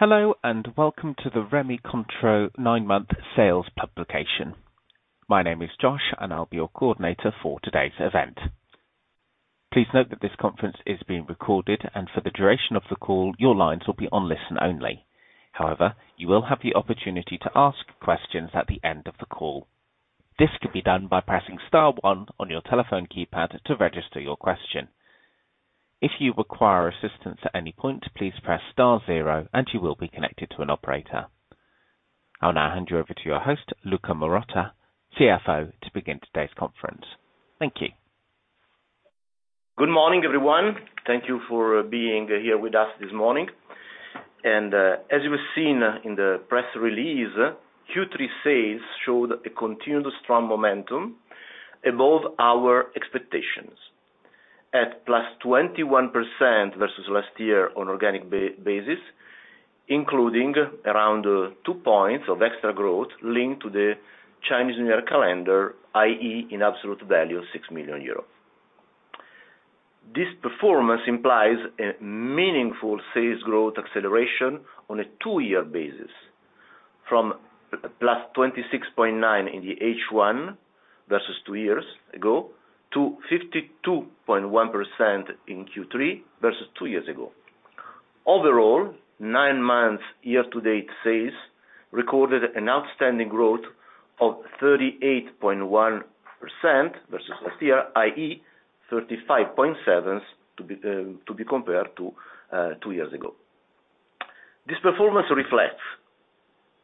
Hello, and welcome to the Rémy Cointreau nine-month sales publication. My name is Josh, and I'll be your coordinator for today's event. Please note that this conference is being recorded, and for the duration of the call, your lines will be on listen only. However, you will have the opportunity to ask questions at the end of the call. This can be done by pressing star one on your telephone keypad to register your question. If you require assistance at any point, please press star zero, and you will be connected to an operator. I'll now hand you over to your host, Luca Marotta, CFO, to begin today's conference. Thank you. Good morning, everyone. Thank you for being here with us this morning. As you have seen in the press release, Q3 sales showed a continued strong momentum above our expectations at +21% versus last year on organic basis, including around 2 points of extra growth linked to the Chinese New Year calendar, i.e. in absolute value of 6 million euros. This performance implies a meaningful sales growth acceleration on a two-year basis from +26.9% in the H1 versus two years ago to 52.1% in Q3 versus two years ago. Overall, nine-month year-to-date sales recorded an outstanding growth of 38.1% versus last year, i.e. 35.7% to be compared to two years ago. This performance reflects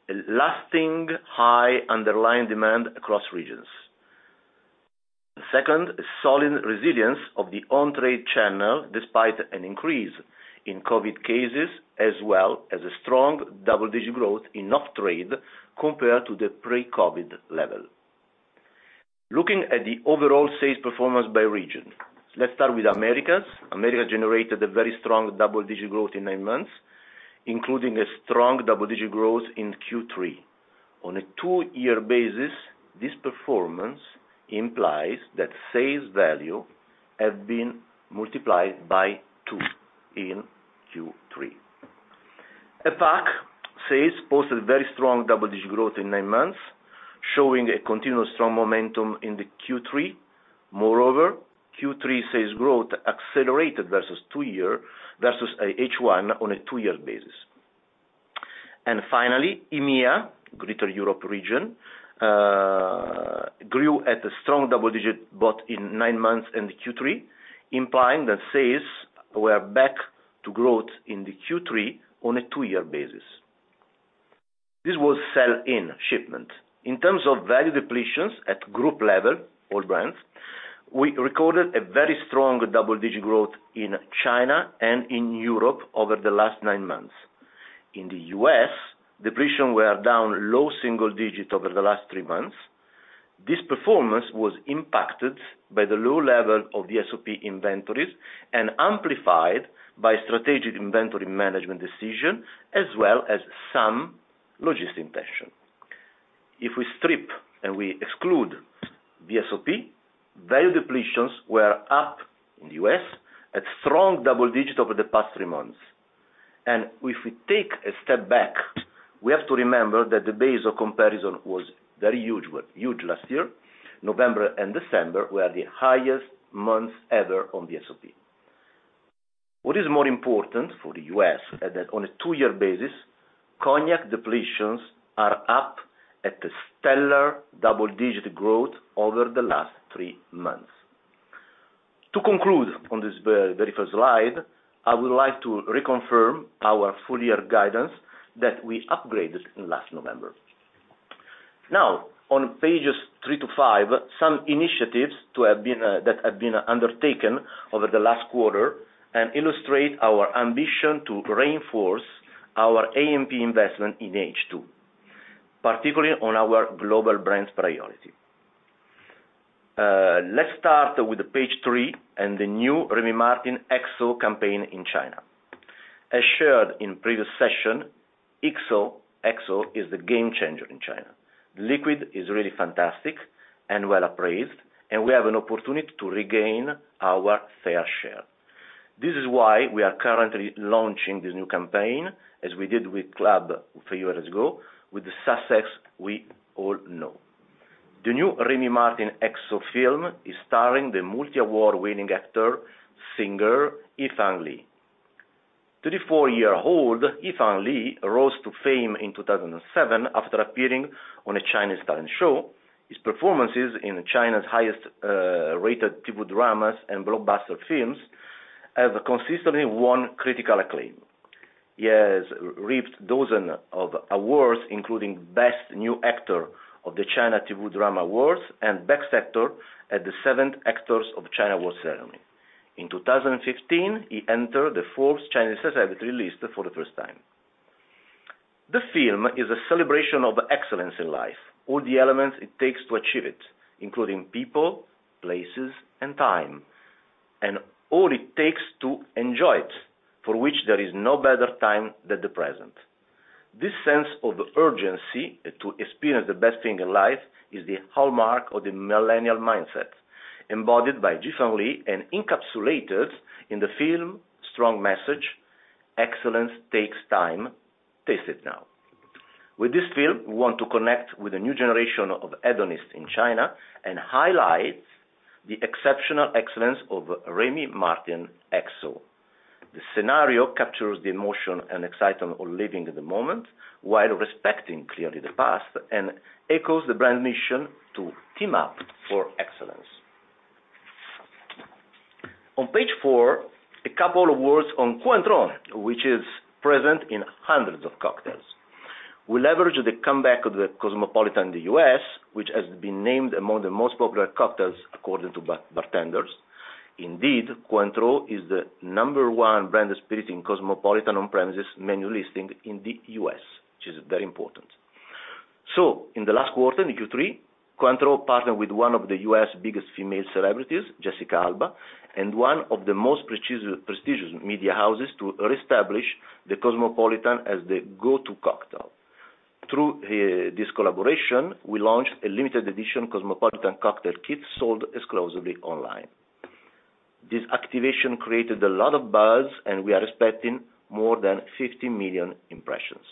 a lasting high underlying demand across regions. The second is solid resilience of the on-trade channel despite an increase in COVID cases as well as a strong double-digit growth in off-trade compared to the pre-COVID level. Looking at the overall sales performance by region. Let's start with Americas. The Americas generated a very strong double-digit growth in nine months, including a strong double-digit growth in Q3. On a two-year basis, this performance implies that sales value have been multiplied by two in Q3. APAC sales posted very strong double-digit growth in nine months, showing a continuous strong momentum into Q3. Moreover, Q3 sales growth accelerated versus H1 on a two-year basis. Finally, EMEA, Greater Europe region, grew at a strong double-digit both in nine months and Q3, implying that sales were back to growth in Q3 on a two-year basis. This was sell-in shipment. In terms of value depletions at group level, all brands, we recorded a very strong double-digit growth in China and in Europe over the last nine months. In the U.S., depletions were down low single-digit over the last three months. This performance was impacted by the low level of VSOP inventories and amplified by strategic inventory management decisions as well as some logistical tension. If we strip and we exclude VSOP, value depletions were up in the U.S. at strong double-digit over the past three months. If we take a step back, we have to remember that the base of comparison was very huge last year. November and December were the highest months ever on VSOP. What is more important for the U.S. is that on a two-year basis, cognac depletions are up at a stellar double-digit growth over the last three months. To conclude on this very first slide, I would like to reconfirm our full year guidance that we upgraded last November. Now, on Pages 3 to 5, some initiatives that have been undertaken over the last quarter and illustrate our ambition to reinforce our A&P investment in H2, particularly on our global brands priority. Let's start with Page 3 and the new Rémy Martin XO campaign in China. As shared in previous session, XO is the game changer in China. The liquid is really fantastic and well appraised, and we have an opportunity to regain our fair share. This is why we are currently launching this new campaign, as we did with CLUB three years ago, with the success we all know. The new Rémy Martin XO film is starring the multi-award-winning actor, singer Li Yifeng. 34-year-old Li Yifeng rose to fame in 2007 after appearing on a Chinese talent show. His performances in China's highest rated TV dramas and blockbuster films have consistently won critical acclaim. He has reaped dozens of awards, including Best New Actor of the China TV Drama Awards and Best Actor at the seventh Actors of China Awards ceremony. In 2015, he entered the Forbes China Celebrity 100 list for the first time. The film is a celebration of excellence in life, all the elements it takes to achieve it, including people, places, and time, and all it takes to enjoy it, for which there is no better time than the present. This sense of urgency to experience the best thing in life is the hallmark of the millennial mindset, embodied by Li Yifeng, and encapsulated in the film's strong message, Excellence takes time, Taste it now. With this film, we want to connect with a new generation of hedonists in China and highlight the exceptional excellence of Rémy Martin XO. The scenario captures the emotion and excitement of living in the moment while respecting clearly the past, and echoes the brand mission to team up for excellence. On Page 4, a couple of words on Cointreau, which is present in hundreds of cocktails. We leverage the comeback of the Cosmopolitan in the U.S., which has been named among the most popular cocktails according to bartenders. Indeed, Cointreau is the number one brand spirit in Cosmopolitan on-premises menu listing in the U.S., which is very important. In the last quarter, in Q3, Cointreau partnered with one of the U.S.' biggest female celebrities, Jessica Alba, and one of the most prestigious media houses to reestablish the Cosmopolitan as the go-to cocktail. Through this collaboration, we launched a limited edition Cosmopolitan cocktail kit sold exclusively online. This activation created a lot of buzz, and we are expecting more than 50 million impressions.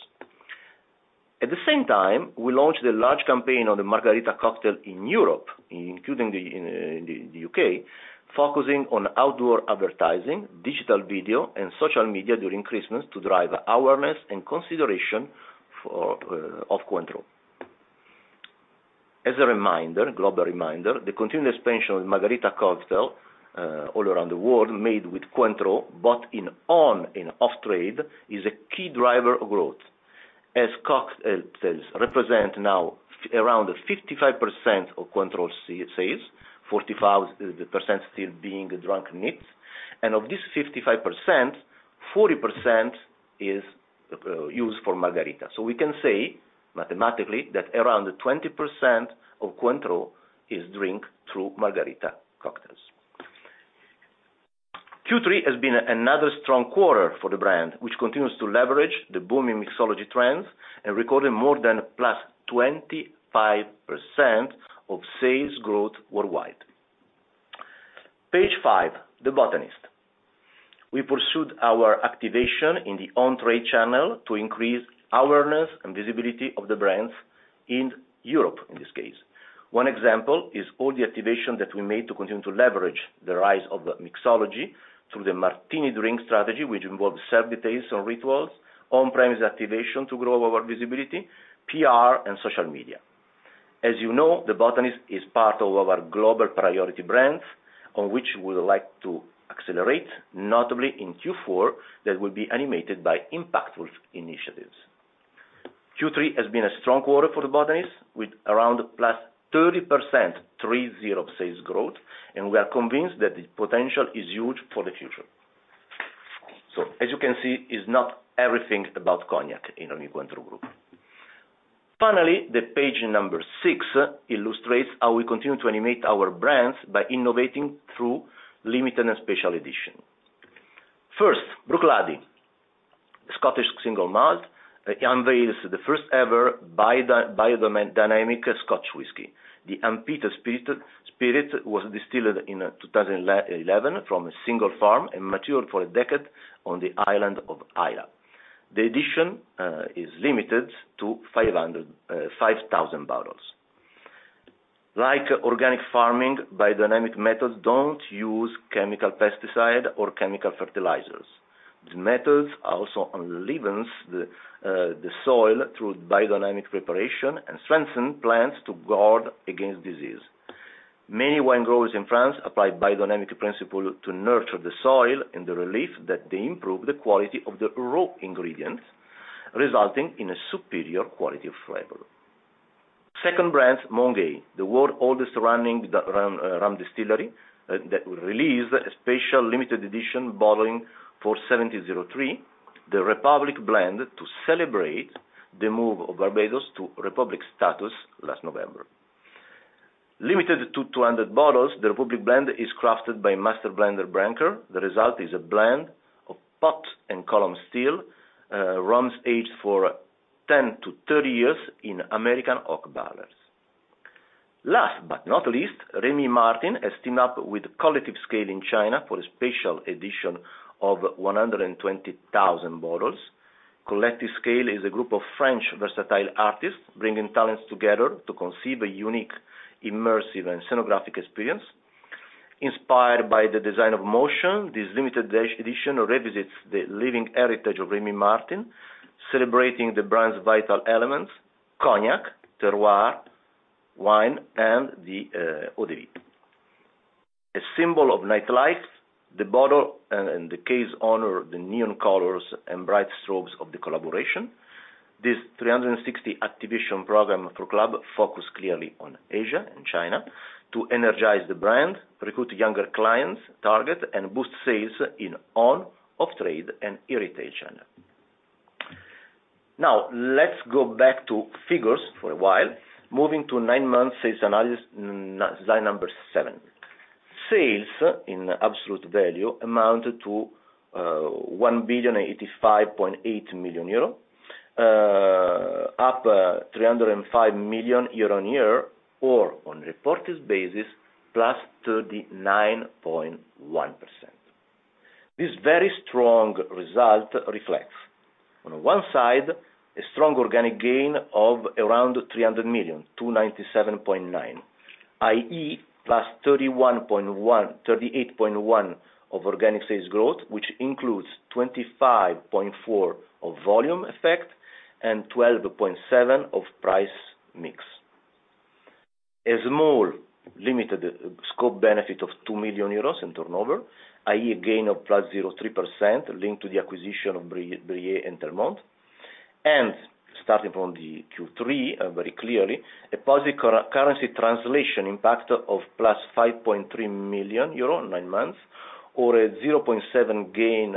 At the same time, we launched a large campaign on the Margarita cocktail in Europe, including in the UK, focusing on outdoor advertising, digital video and social media during Christmas to drive awareness and consideration of Cointreau. As a reminder, the continued expansion of Margarita cocktail all around the world made with Cointreau, both in on and off trade, is a key driver of growth. As cocktail represent now around 55% of Cointreau sales, 40% still being drunk neat. Of this 55%, 40% is used for Margarita. We can say mathematically that around 20% of Cointreau is drank through Margarita cocktails. Q3 has been another strong quarter for the brand, which continues to leverage the booming mixology trends and recorded more than +25% of sales growth worldwide. Page 5, The Botanist. We pursued our activation in the on-trade channel to increase awareness and visibility of the brands in Europe, in this case. One example is all the activation that we made to continue to leverage the rise of mixology through the martini drink strategy, which involved self-details on rituals, on-premise activation to grow our visibility, PR and social media. As you know, The Botanist is part of our global priority brands on which we would like to accelerate, notably in Q4, that will be animated by impactful initiatives. Q3 has been a strong quarter for The Botanist, with around +30% sales growth, and we are convinced that the potential is huge for the future. As you can see, it's not everything about cognac in Rémy Cointreau group. Finally, Page 6 illustrates how we continue to animate our brands by innovating through limited and special edition. First, Bruichladdich Scottish single malt unveils the first ever biodynamic Scotch whisky. The unpeated spirit was distilled in 2011 from a single farm and matured for a decade on the island of Islay. The edition is limited to 5,000 bottles. Like organic farming, biodynamic methods don't use chemical pesticide or chemical fertilizers. The methods also enlivens the soil through biodynamic preparation and strengthen plants to guard against disease. Many wine growers in France apply biodynamic principle to nurture the soil in the belief that they improve the quality of the raw ingredients, resulting in a superior quality of flavor. Second brand, Mount Gay, the world's oldest running rum distillery that will release a special limited edition bottling for 1703, The Republic Blend, to celebrate the move of Barbados to republic status last November. Limited to 200 bottles, The Republic Blend is crafted by Master Blender Branker. The result is a blend of pot and column still rums aged for 10-30 years in American oak barrels. Last but not least, Rémy Martin has teamed up with Scale Collective in China for a special edition of 120,000 bottles. Scale Collective is a group of French versatile artists bringing talents together to conceive a unique, immersive and scenographic experience. Inspired by the design of motion, this limited edition revisits the living heritage of Rémy Martin, celebrating the brand's vital elements, cognac, terroir, wine, and the eau de vie. A symbol of nightlife, the bottle and the case honor the neon colors and bright strokes of the collaboration. This 360 activation program for CLUB focuses clearly on Asia and China to energize the brand, recruit younger clients, target and boost sales in on and off-trade and e-retail. Now, let's go back to figures for a while, moving to nine months sales analysis, slide number seven. Sales in absolute value amounted to 1,085.8 million euro, up 305 million year-on-year or on reported basis, +39.1%. This very strong result reflects on one side a strong organic gain of around 300 million, 297.9 million, i.e. +31.1%, +38.1% of organic sales growth, which includes 25.4% of volume effect and 12.7% of price mix. A small limited scope benefit of 2 million euros in turnover, i.e. a gain of +0.3% linked to the acquisition of Brillet and Telmont. Starting from the Q3, very clearly, a positive currency translation impact of +5.3 million euro in nine months or a 0.7% gain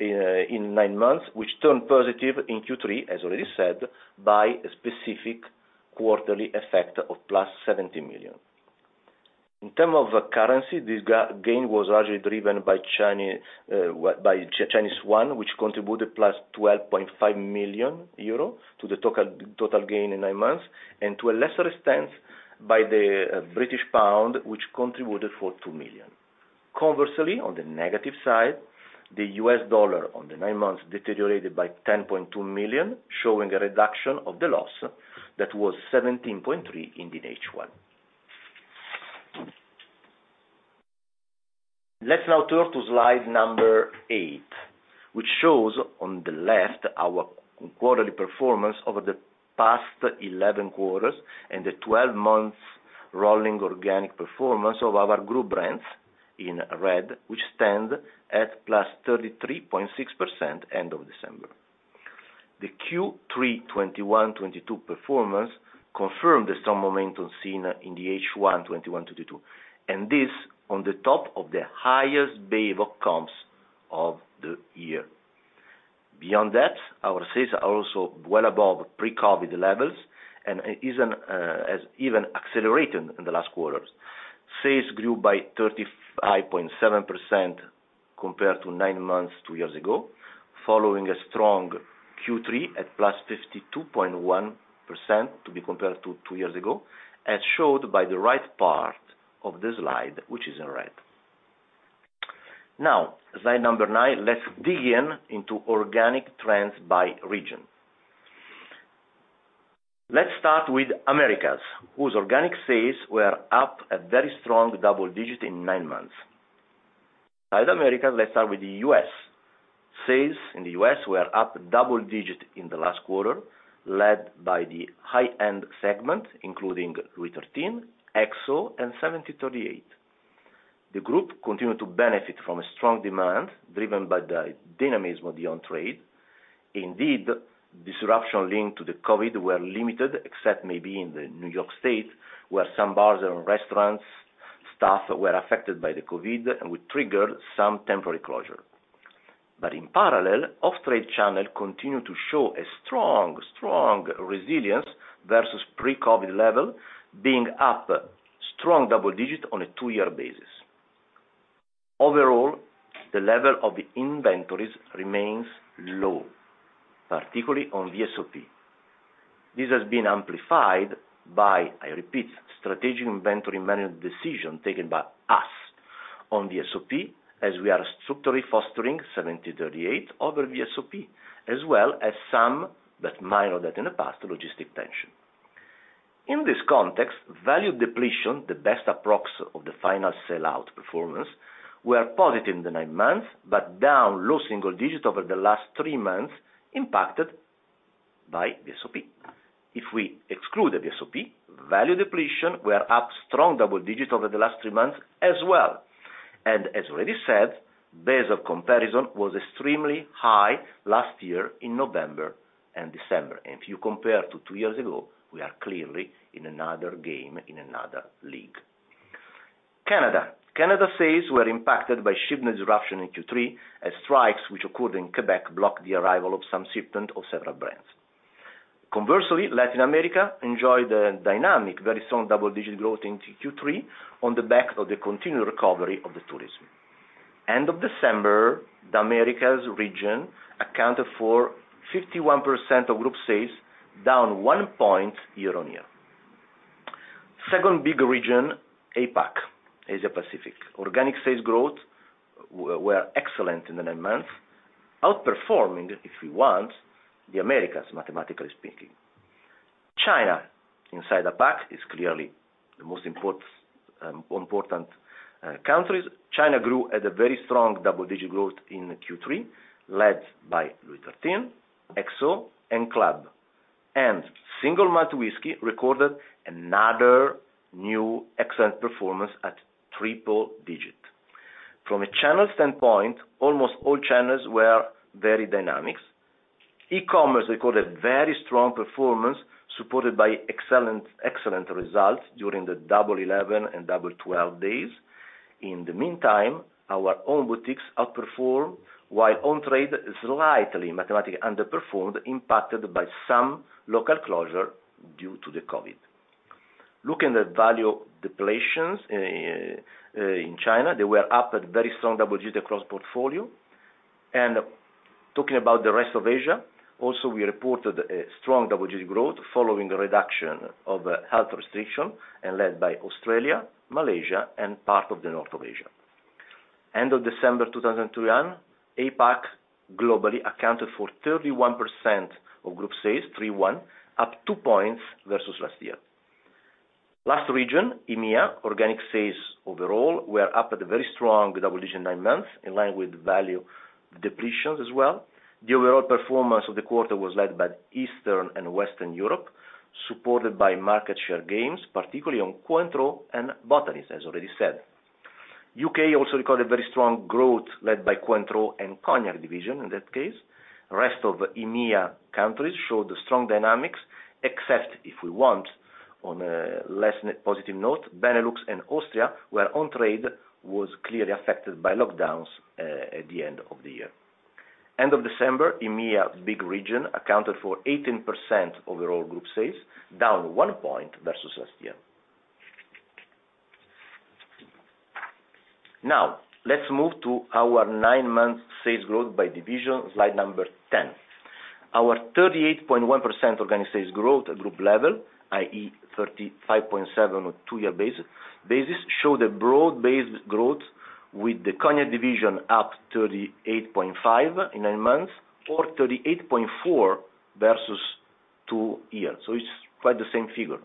in nine months, which turned positive in Q3, as already said, by a specific quarterly effect of +70 million. In terms of currency, this gain was largely driven by Chinese yuan, which contributed +12.5 million euro to the total gain in nine months, and to a lesser extent by the British pound, which contributed 2 million. Conversely, on the negative side, the US dollar on the nine months deteriorated by 10.2 million, showing a reduction of the loss that was 17.3 million in the H1. Let's now turn to Slide 8, which shows on the left our quarterly performance over the past 11 quarters and the 12 months rolling organic performance of our Group Brands in red, which stand at +33.6% end of December. The Q3 2021-2022 performance confirmed the strong momentum seen in the H1 2021-2022, and this on the top of the highest base of comps of the year. Beyond that, our sales are also well above pre-COVID levels and even has even accelerated in the last quarters. Sales grew by 35.7% compared to nine months two years ago, following a strong Q3 at +52.1% to be compared to two years ago, as shown by the right part of the slide, which is in red. Now, slide number nine, let's dig into organic trends by region. Let's start with Americas, whose organic sales were up a very strong double-digit in nine months. Inside America, let's start with the U.S. Sales in the U.S. were up double-digit in the last quarter, led by the high-end segment, including Louis XIII, XO, and 1738. The group continued to benefit from a strong demand driven by the dynamism of the on-trade. Indeed, disruption linked to the COVID was limited, except maybe in the New York State, where some bars and restaurants staff were affected by the COVID, and which triggered some temporary closure. In parallel, off-trade channel continued to show a strong resilience versus pre-COVID level, being up strong double digit on a two-year basis. Overall, the level of the inventories remains low, particularly on VSOP. This has been amplified by, I repeat, strategic inventory management decision taken by us on VSOP, as we are structurally fostering 1738 over VSOP, as well as some, but minor than in the past, logistic tension. In this context, value depletion, the best approximation of the final sellout performance, was positive in the nine months, but down low single digits over the last three months, impacted by VSOP. If we excluded VSOP, value depletion were up strong double digits over the last three months as well. As already said, base of comparison was extremely high last year in November and December. If you compare to two years ago, we are clearly in another game, in another league. Canada sales were impacted by shipment disruption in Q3 as strikes which occurred in Quebec blocked the arrival of some shipment of several brands. Conversely, Latin America enjoyed a dynamic very strong double-digit growth in Q3 on the back of the continued recovery of the tourism. End of December, the Americas region accounted for 51% of group sales, down 1 point year-on-year. Second big region, APAC, Asia-Pacific. Organic sales growth were excellent in the nine months, outperforming, if we want, the Americas, mathematically speaking. China, inside APAC, is clearly the most important country. China grew at a very strong double-digit growth in Q3, led by Louis XIII, XO, and CLUB. Single-malt whiskey recorded another new excellent performance at triple-digit. From a channel standpoint, almost all channels were very dynamic. E-commerce recorded very strong performance, supported by excellent results during the Double 11 and Double 12 days. In the meantime, our own boutiques outperformed, while on-trade slightly marginally underperformed, impacted by some local closures due to the COVID. Looking at value depletions in China, they were up at very strong double-digit across portfolio. Talking about the rest of Asia, we also reported a strong double-digit growth following a reduction of health restrictions and led by Australia, Malaysia and parts of North Asia. End of December 2021, APAC globally accounted for 31% of group sales, up 2 points versus last year. Last region, EMEA, organic sales overall were up at a very strong double-digit nine months, in line with value depletions as well. The overall performance of the quarter was led by Eastern and Western Europe, supported by market share gains, particularly on Cointreau and Botanist, as already said. U.K. also recorded very strong growth led by Cointreau and cognac division, in that case. Rest of EMEA countries showed strong dynamics, except if we want, on a less positive note, Benelux and Austria, where on-trade was clearly affected by lockdowns at the end of the year. End of December, EMEA big region accounted for 18% overall group sales, down 1 point versus last year. Now, let's move to our nine-month sales growth by division, slide number 10. Our 38.1% organic sales growth at group level, i.e. 35.7% on a two-year basis showed a broad-based growth with the Cognac division up 38.5% in nine months or 38.4% versus two years. It's quite the same figure.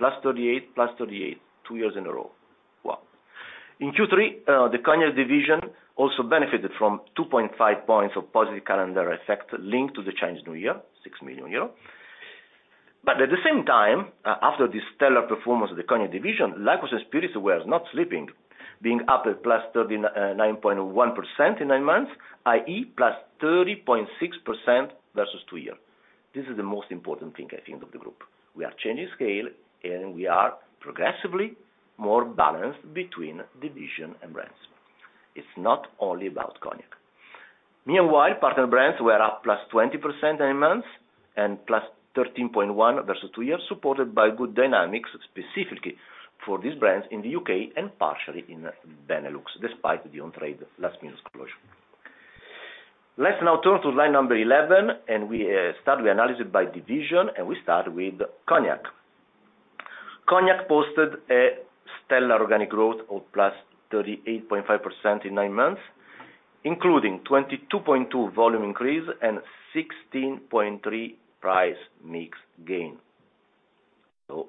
+38%, +38% two years in a row. Wow. In Q3, the Cognac division also benefited from 2.5 points of positive calendar effect linked to the Chinese New Year, 6 million euro. At the same time, after this stellar performance of the Cognac division, Liqueurs & Spirits were not sleeping, being up at +9.1% in nine months, i.e. +30.6% versus two years. This is the most important thing, I think, of the group. We are changing scale, and we are progressively more balanced between division and brands. It's not only about cognac. Meanwhile, partner brands were up +20% nine months and +13.1% versus two years, supported by good dynamics, specifically for these brands in the U.K. and partially in Benelux, despite the on-trade last-minute closure. Let's now turn to Slide 11, and we start the analysis by division, and we start with cognac. Cognac posted a stellar organic growth of +38.5% in nine months, including 22.2 volume increase and 16.3 price-mix gain. So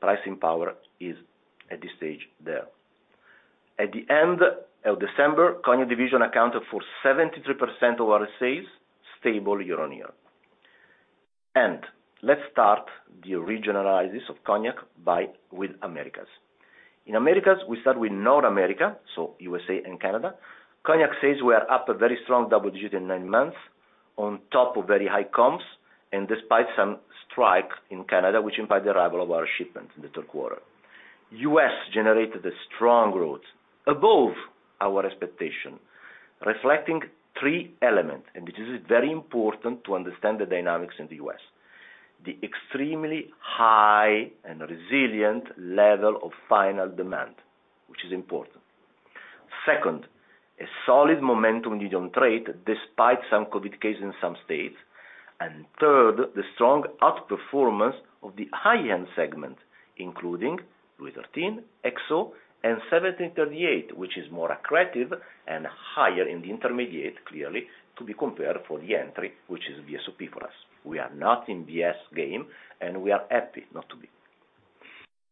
pricing power is at this stage there. At the end of December, cognac division accounted for 73% of our sales, stable year-on-year. Let's start the regional analysis of cognac beginning with Americas. In Americas, we start with North America, so U.S.A. and Canada. Cognac says we are up a very strong double-digit in nine months on top of very high comps, and despite some strike in Canada, which impact the arrival of our shipment in the third quarter. U.S. generated a strong growth above our expectation, reflecting three elements, and this is very important to understand the dynamics in the U.S. The extremely high and resilient level of final demand, which is important. Second, a solid momentum in on-trade despite some COVID cases in some states. Third, the strong outperformance of the high-end segment, including Louis XIII, XO, and 1738, which is more accretive and higher in the mix, clearly, to be compared to the entry, which is VSOP for us. We are not in VS game, and we are happy not to be.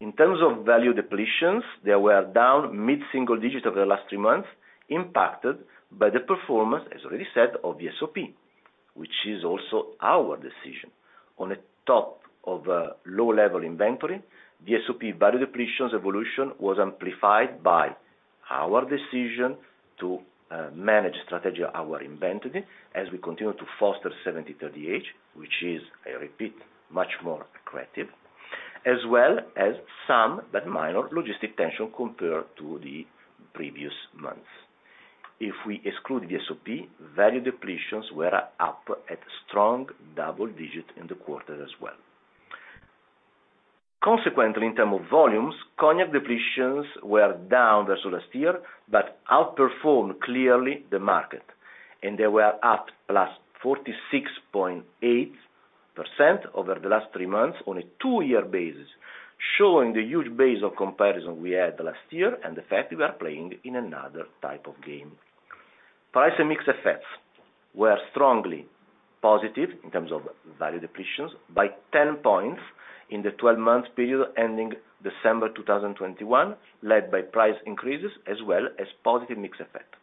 In terms of value depletions, they were down mid-single-digit over the last three months, impacted by the performance, as already said, of VSOP, which is also our decision. On top of low-level inventory, VSOP value depletions evolution was amplified by our decision to manage strategically our inventory as we continue to foster 1738, which is, I repeat, much more accretive, as well as some but minor logistics tension compared to the previous months. If we exclude VSOP, value depletions were up strong double-digit in the quarter as well. Consequently, in terms of volumes, cognac depletions were down versus last year, but outperformed clearly the market, and they were up +46.8% over the last three months on a two-year basis, showing the huge base of comparison we had last year and the fact we are playing in another type of game. Price and mix effects were strongly positive in terms of value depletions by 10 points in the 12-month period ending December 2021, led by price increases as well as positive mix effect.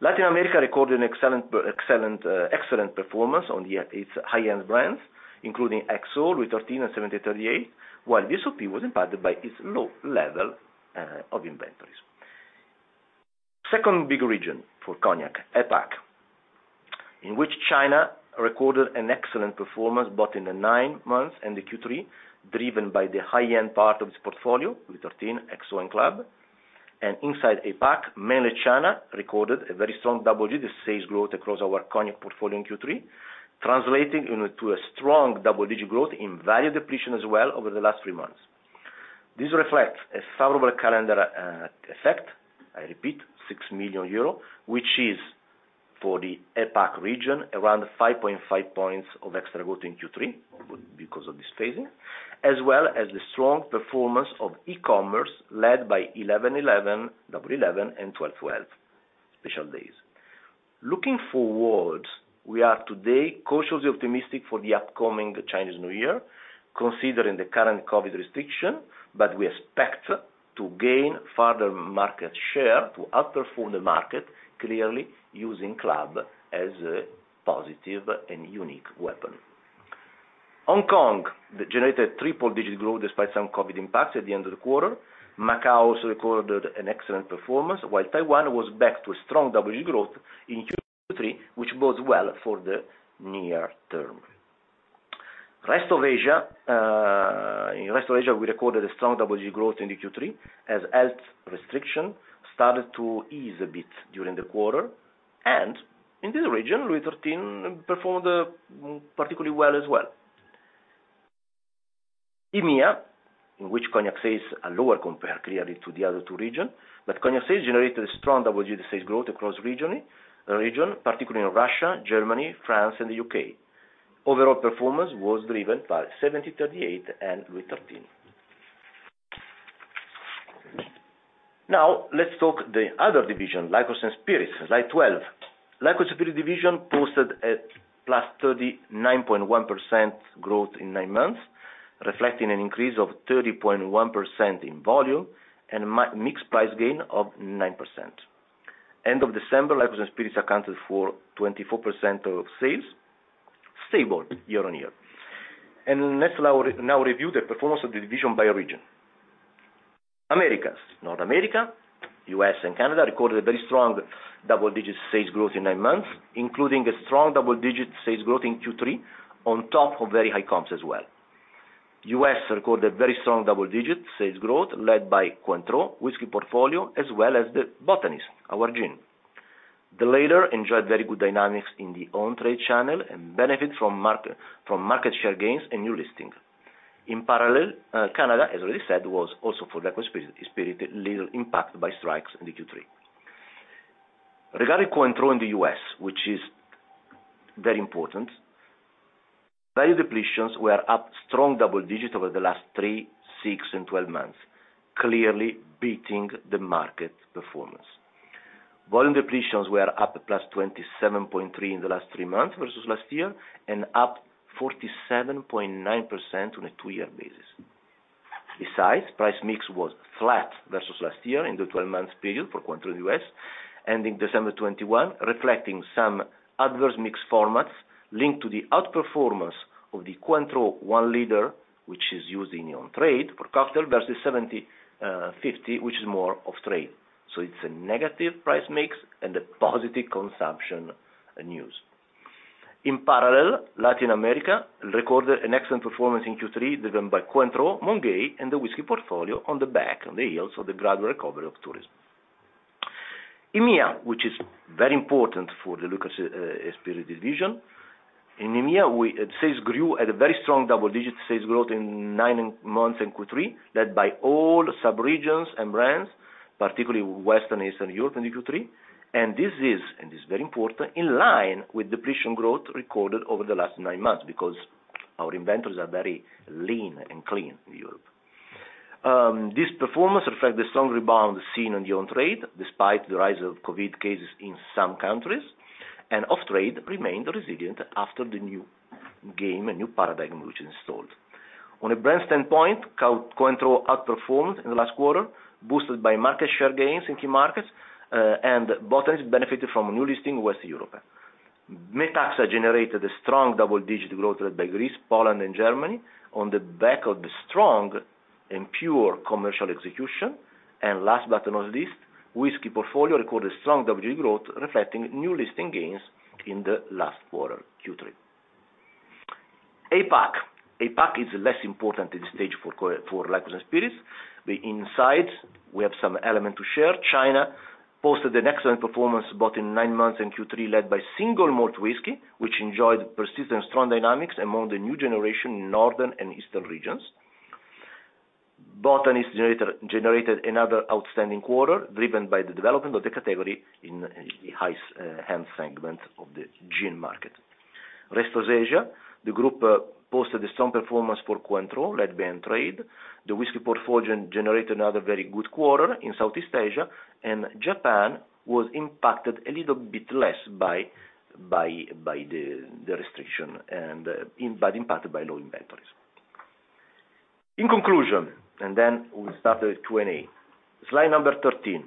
Latin America recorded an excellent performance on its high-end brands, including XO, Louis XIII, and 1738, while VSOP was impacted by its low level of inventories. Second big region for cognac, APAC, in which China recorded an excellent performance both in the nine months and the Q3, driven by the high-end part of its portfolio, Louis XIII, XO, and CLUB. Inside APAC, mainly China recorded a very strong double-digit sales growth across our cognac portfolio in Q3, translating into a strong double-digit growth in value depletion as well over the last three months. This reflects a favorable calendar effect. I repeat, 6 million euro, which is for the APAC region, around 5.5 points of extra growth in Q3 because of this phasing, as well as the strong performance of e-commerce led by 11.11, Double 11, and 12.12 special days. Looking forward, we are today cautiously optimistic for the upcoming Chinese New Year, considering the current COVID restriction, but we expect to gain further market share to outperform the market, clearly using CLUB as a positive and unique weapon. Hong Kong generated triple-digit growth despite some COVID impacts at the end of the quarter. Macau also recorded an excellent performance, while Taiwan was back to a strong double-digit growth in Q3, which bodes well for the near term. Rest of Asia. In rest of Asia, we recorded a strong double-digit growth in the Q3 as health restrictions started to ease a bit during the quarter. In this region, Louis XIII performed particularly well as well. EMEA, in which cognac sales are lower compared clearly to the other two regions, but cognac sales generated a strong double-digit sales growth across the region, particularly in Russia, Germany, France, and the U.K. Overall performance was driven by 1738 and Louis XIII. Now, let's talk about the other division, Liqueurs and Spirits. Slide 12. Liqueurs and Spirits division posted a +39.1% growth in nine months, reflecting an increase of 30.1% in volume and mixed price gain of 9%. At the end of December, Liqueurs and Spirits accounted for 24% of sales, stable year on year. Let's now review the performance of the division by region. Americas. North America, U.S. and Canada, recorded a very strong double-digit sales growth in nine months, including a strong double-digit sales growth in Q3 on top of very high comps as well. U.S. recorded a very strong double-digit sales growth led by Cointreau whiskey portfolio, as well as The Botanist, our gin. The latter enjoyed very good dynamics in the on-trade channel and benefit from market share gains and new listing. In parallel, Canada, as already said, was also for liqueurs and spirits, little impacted by strikes in the Q3. Regarding Cointreau in the U.S., which is very important, value depletions were up strong double digits over the last three, six, and 12 months, clearly beating the market performance. Volume depletions were up +27.3 in the last three months versus last year, and up 47.9% on a two-year basis. Besides, price mix was flat versus last year in the 12-month period for Cointreau U.S., ending December 2021, reflecting some adverse mix formats linked to the outperformance of the Cointreau 1L, which is used in on-trade for cocktail versus 70, 50, which is more off-trade. It's a negative price mix and a positive consumption news. In parallel, Latin America recorded an excellent performance in Q3 driven by Cointreau, Monin, and the whiskey portfolio on the back, on the heels of the gradual recovery of tourism. EMEA, which is very important for the Liqueurs & Spirits division. In EMEA, sales grew at a very strong double-digit sales growth in nine months in Q3, led by all subregions and brands, particularly Western, Eastern Europe in Q3. This is very important, in line with depletion growth recorded over the last nine months because our inventories are very lean and clean in Europe. This performance reflects the strong rebound seen on the on-trade despite the rise of COVID cases in some countries, and off-trade remained resilient after the new game and new paradigm which ensued. On a brand standpoint, Cointreau outperformed in the last quarter, boosted by market share gains in key markets, and Botanist benefited from a new listing West Europe. Metaxa generated a strong double-digit growth led by Greece, Poland, and Germany on the back of the strong and pure commercial execution. Last but not least, whisky portfolio recorded strong double-digit growth, reflecting new listing gains in the last quarter, Q3. APAC is less important in this stage for liqueurs and spirits. The insights we have, some elements to share. China posted an excellent performance both in nine months and Q3, led by single malt whisky, which enjoyed persistent strong dynamics among the new generation in Northern and Eastern regions. The Botanist generated another outstanding quarter, driven by the development of the category in the high-end segment of the gin market. Rest of Asia, the group posted a strong performance for Cointreau led by on-trade. The whisky portfolio generated another very good quarter in Southeast Asia, and Japan was impacted a little bit less by the restrictions, but impacted by low inventories. In conclusion, then we'll start the Q&A. Slide number 13.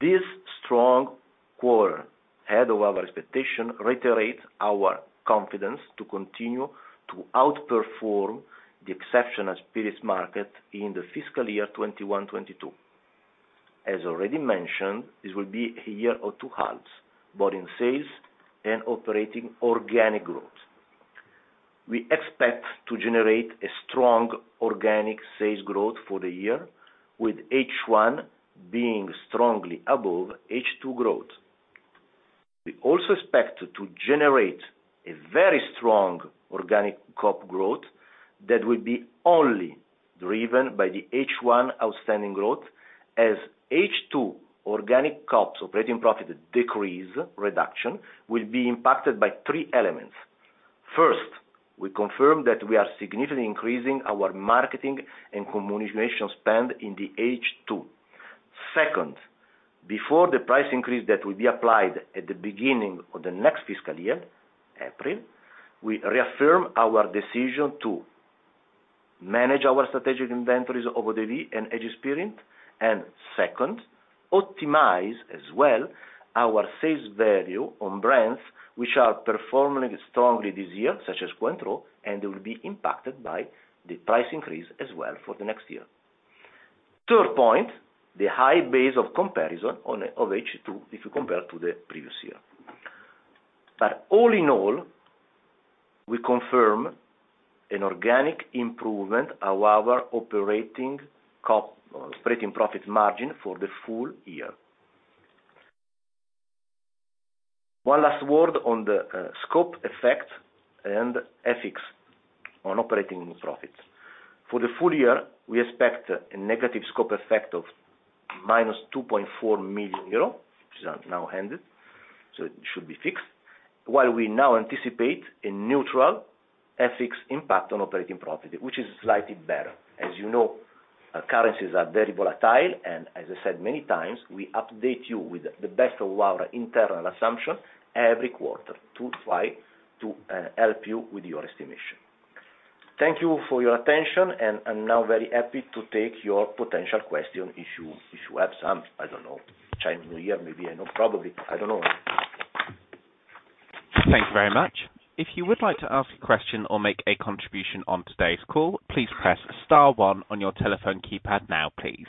This strong quarter ahead of our expectation reiterates our confidence to continue to outperform the exceptional spirits market in the fiscal year 2021/2022. As already mentioned, this will be a year of two halves, both in sales and operating organic growth. We expect to generate a strong organic sales growth for the year, with H1 being strongly above H2 growth. We also expect to generate a very strong organic COP growth that will be only driven by the H1 outstanding growth as H2 organic COP operating profit decrease reduction will be impacted by three elements. First, we confirm that we are significantly increasing our marketing and communication spend in the H2. Second, before the price increase that will be applied at the beginning of the next fiscal year, April, we reaffirm our decision to manage our strategic inventories of eaux-de-vie and aged eaux-de-vie. Second, optimize as well our sales value on brands which are performing strongly this year, such as Cointreau, and will be impacted by the price increase as well for the next year. Third point, the high base of comparison of H2 if you compare to the previous year. All in all, we confirm an organic improvement of our operating COP, operating profit margin for the full year. One last word on the scope effect and FX on operating profits. For the full year, we expect a negative scope effect of -2.4 million euro, which is now ended, so it should be fixed. While we now anticipate a neutral FX impact on operating profit, which is slightly better. As you know, currencies are very volatile, and as I said many times, we update you with the best of our internal assumption every quarter to try to help you with your estimation. Thank you for your attention, and I'm now very happy to take your potential question if you have some. I don't know. Chinese New Year, maybe, I know, probably. I don't know. Thank you very much. If you would like to ask a question or make a contribution on today's call, please press star one on your telephone keypad now, please.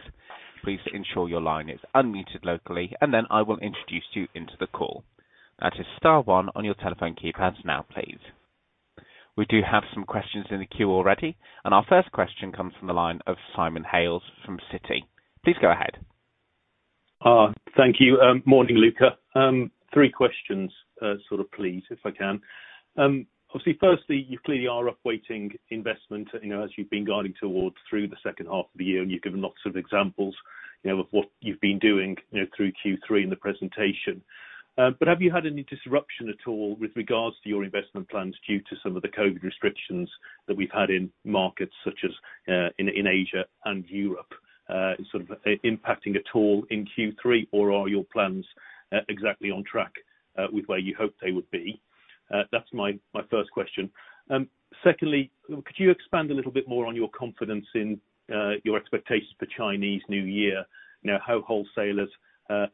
Please ensure your line is unmuted locally, and then I will introduce you into the call. That is star one on your telephone keypads now, please. We do have some questions in the queue already, and our first question comes from the line of Simon Hales from Citi. Please go ahead. Thank you. Morning, Luca. Three questions, sort of please, if I can. Obviously, firstly, you clearly are upweighting investment, you know, as you've been guiding towards through the second half of the year, and you've given lots of examples, you know, of what you've been doing, you know, through Q3 in the presentation. But have you had any disruption at all with regards to your investment plans due to some of the COVID restrictions that we've had in markets such as in Asia and Europe, sort of impacting at all in Q3? Or are your plans exactly on track with where you hoped they would be? That's my first question. Secondly, could you expand a little bit more on your confidence in your expectations for Chinese New Year? You know, how wholesalers,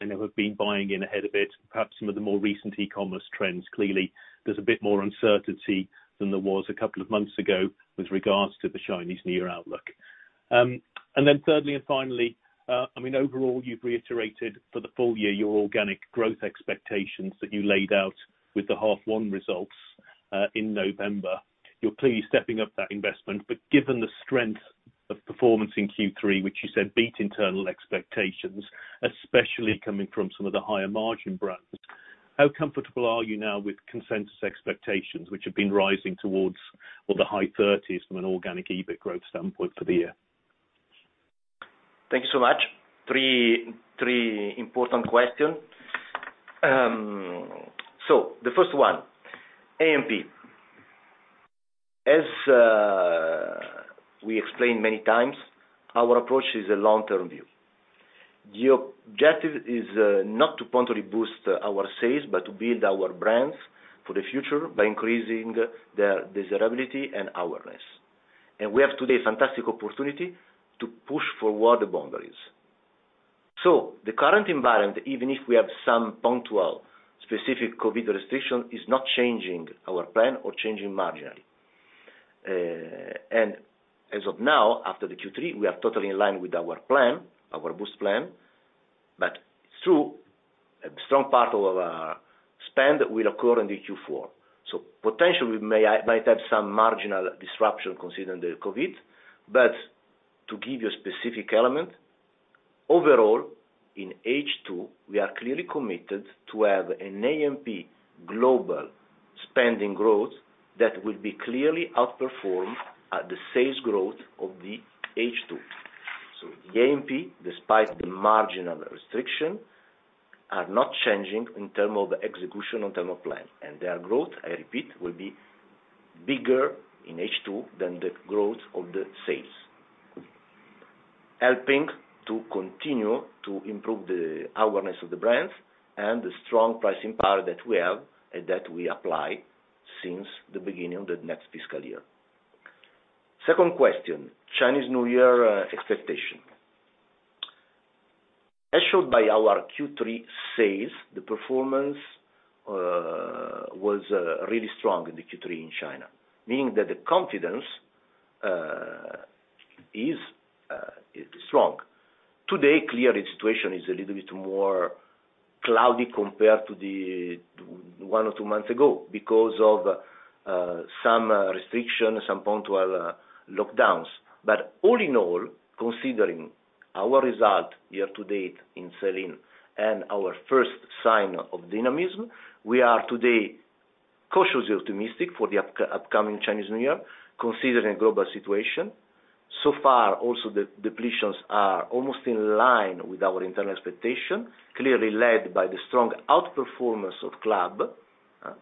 you know, have been buying in ahead of it. Perhaps some of the more recent e-commerce trends. Clearly, there's a bit more uncertainty than there was a couple of months ago with regards to the Chinese New Year outlook. Then thirdly and finally, I mean, overall, you've reiterated for the full year your organic growth expectations that you laid out with the H1 results, in November. You're clearly stepping up that investment. Given the strength of performance in Q3, which you said beat internal expectations, especially coming from some of the higher margin brands, how comfortable are you now with consensus expectations, which have been rising towards or the high thirties from an organic EBIT growth standpoint for the year? Thank you so much. Three important question. The first one, A&P. As we explained many times, our approach is a long-term view. The objective is not to punctually boost our sales, but to build our brands for the future by increasing their desirability and awareness. We have today a fantastic opportunity to push forward the boundaries. The current environment, even if we have some punctual specific COVID restriction, is not changing our plan or changing margin. As of now, after the Q3, we are totally in line with our plan, our boost plan, but through a strong part of our spend will occur in the Q4. Potentially we might have some marginal disruption considering the COVID. To give you a specific element, overall, in H2, we are clearly committed to have an A&P global spending growth that will be clearly outperformed at the sales growth of the H2. So the A&P, despite the marginal restriction, are not changing in term of execution or term of plan. Their growth, I repeat, will be bigger in H2 than the growth of the sales, helping to continue to improve the awareness of the brands and the strong pricing power that we have and that we apply since the beginning of the next fiscal year. Second question, Chinese New Year expectation. As shown by our Q3 sales, the performance was really strong in the Q3 in China, meaning that the confidence is strong. Today, clearly, the situation is a little bit more cloudy compared to the one or two months ago because of some restriction, some punctual lockdowns. All in all, considering our result year to date in sell-in and our first sign of dynamism, we are today cautiously optimistic for the upcoming Chinese New Year, considering global situation. So far, also the depletions are almost in line with our internal expectation, clearly led by the strong outperformance of CLUB,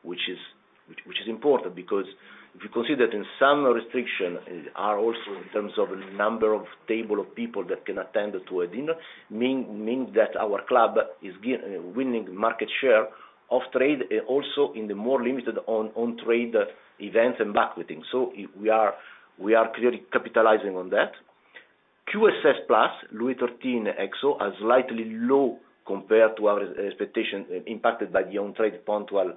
which is important because if you consider in some restriction are also in terms of number of tables of people that can attend a dinner, means that our CLUB is winning market share on-trade, also in the more limited on-trade events and banquet. We are clearly capitalizing on that. QSS plus Louis XIII XO are slightly low compared to our expectation, impacted by the on-trade punctual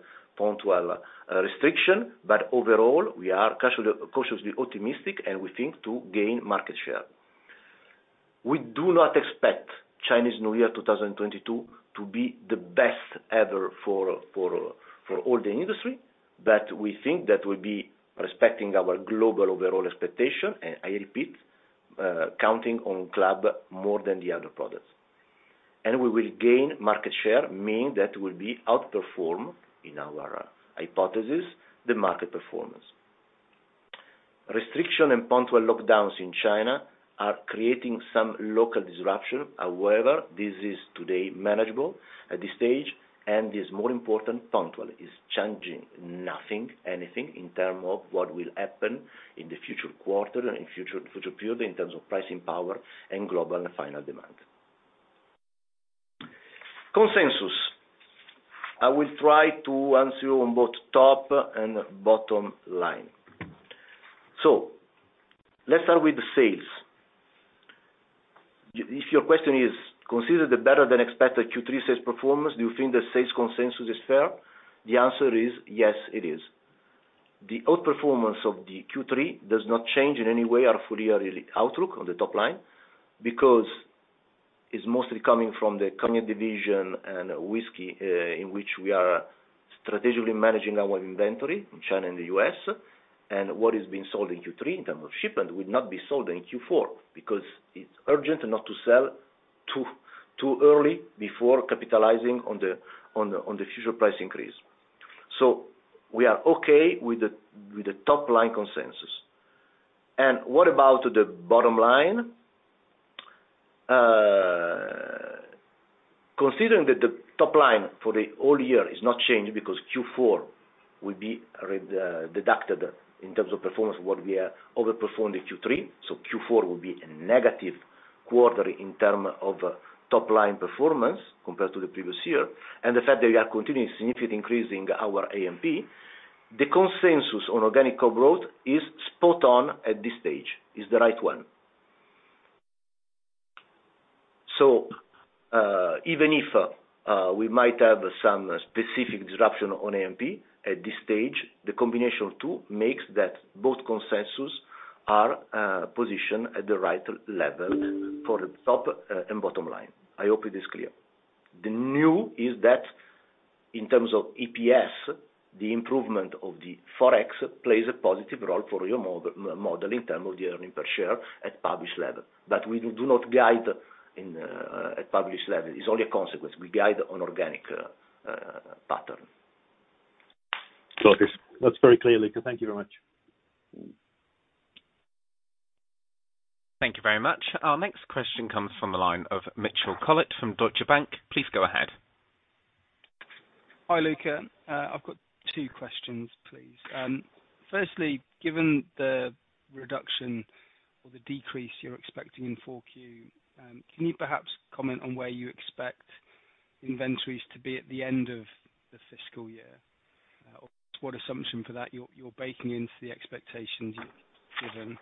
restriction. Overall, we are cautiously optimistic, and we think to gain market share. We do not expect Chinese New Year 2022 to be the best ever for all the industry, but we think that we'll be respecting our global overall expectation, and I repeat, counting on CLUB more than the other products. We will gain market share, meaning that we will outperform in our hypothesis the market performance. Restriction and punctual lockdowns in China are creating some local disruption. However, this is today manageable at this stage and, more importantly, is changing nothing in terms of what will happen in the future quarter and in future period in terms of pricing power and global final demand. Consensus. I will try to answer you on both top and bottom line. Let's start with sales. If your question is, considering the better than expected Q3 sales performance, do you think the sales consensus is fair? The answer is yes, it is. The outperformance of the Q3 does not change in any way our full year outlook on the top line because it's mostly coming from the cognac division and whiskey, in which we are strategically managing our inventory in China and the U.S., and what is being sold in Q3 in terms of shipment will not be sold in Q4 because it's urgent not to sell too early before capitalizing on the future price increase. We are okay with the top line consensus. What about the bottom line? Considering that the top line for the whole year is not changed because Q4 will be deducted in terms of performance what we overperformed in Q3, Q4 will be a negative quarter in terms of top line performance compared to the previous year. The fact that we are continuing significantly increasing our A&P, the consensus on organic growth is spot on at this stage, is the right one. Even if we might have some specific disruption on A&P at this stage, the combination of two makes that both consensus are positioned at the right level for the top and bottom line. I hope it is clear. The news is that in terms of EPS, the improvement of the FX plays a positive role for your model in terms of the earnings per share at published level. We do not guide at published level. It's only a consequence. We guide on organic growth. Okay. That's very clear, Luca. Thank you very much. Thank you very much. Our next question comes from the line of Mitch Collett from Deutsche Bank. Please go ahead. Hi, Luca. I've got two questions, please. Firstly, given the reduction or the decrease you're expecting in Q4, can you perhaps comment on where you expect inventories to be at the end of the fiscal year? What assumption for that you're baking into the expectations you've given?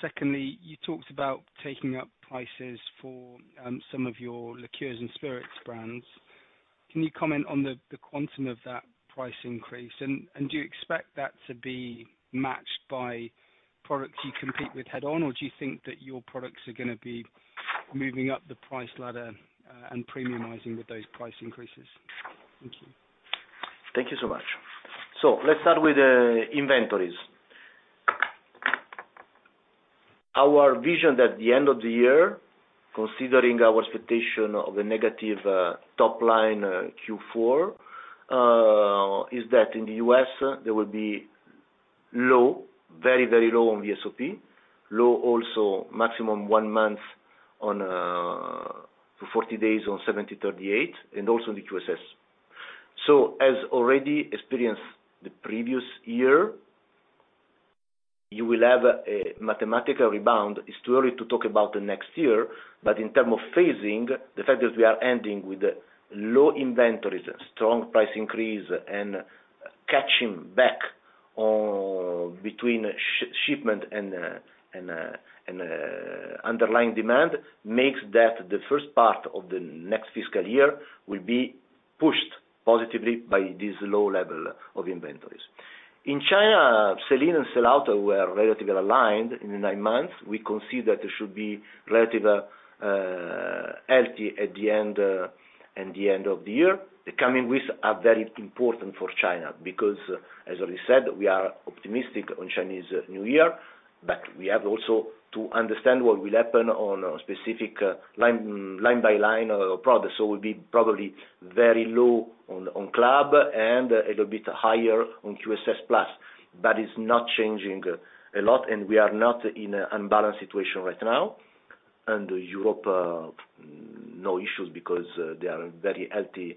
Secondly, you talked about taking up prices for some of your liqueurs and spirits brands. Can you comment on the quantum of that price increase? And do you expect that to be matched by products you compete with head on, or do you think that your products are gonna be moving up the price ladder and premiumizing with those price increases? Thank you. Thank you so much. Let's start with inventories. Our vision at the end of the year, considering our expectation of a negative top line Q4, is that in the U.S., there will be low, very, very low on VSOP, low also maximum one month on to 40 days on 1738 and also in the QSS. As already experienced the previous year, you will have a mathematical rebound. It's too early to talk about the next year, but in terms of phasing, the fact that we are ending with low inventories, strong price increase, and catching back on between shipment and underlying demand makes that the first part of the next fiscal year will be pushed positively by this low level of inventories. In China, sell-in and sell-out were relatively aligned in the nine months. We consider it should be relatively healthy at the end of the year. The coming weeks are very important for China because as I said, we are optimistic on Chinese New Year, but we have also to understand what will happen on a specific line by line of products. So will be probably very low on CLUB and a little bit higher on QSS Plus, but it's not changing a lot, and we are not in an unbalanced situation right now. Europe, no issues because they are very healthy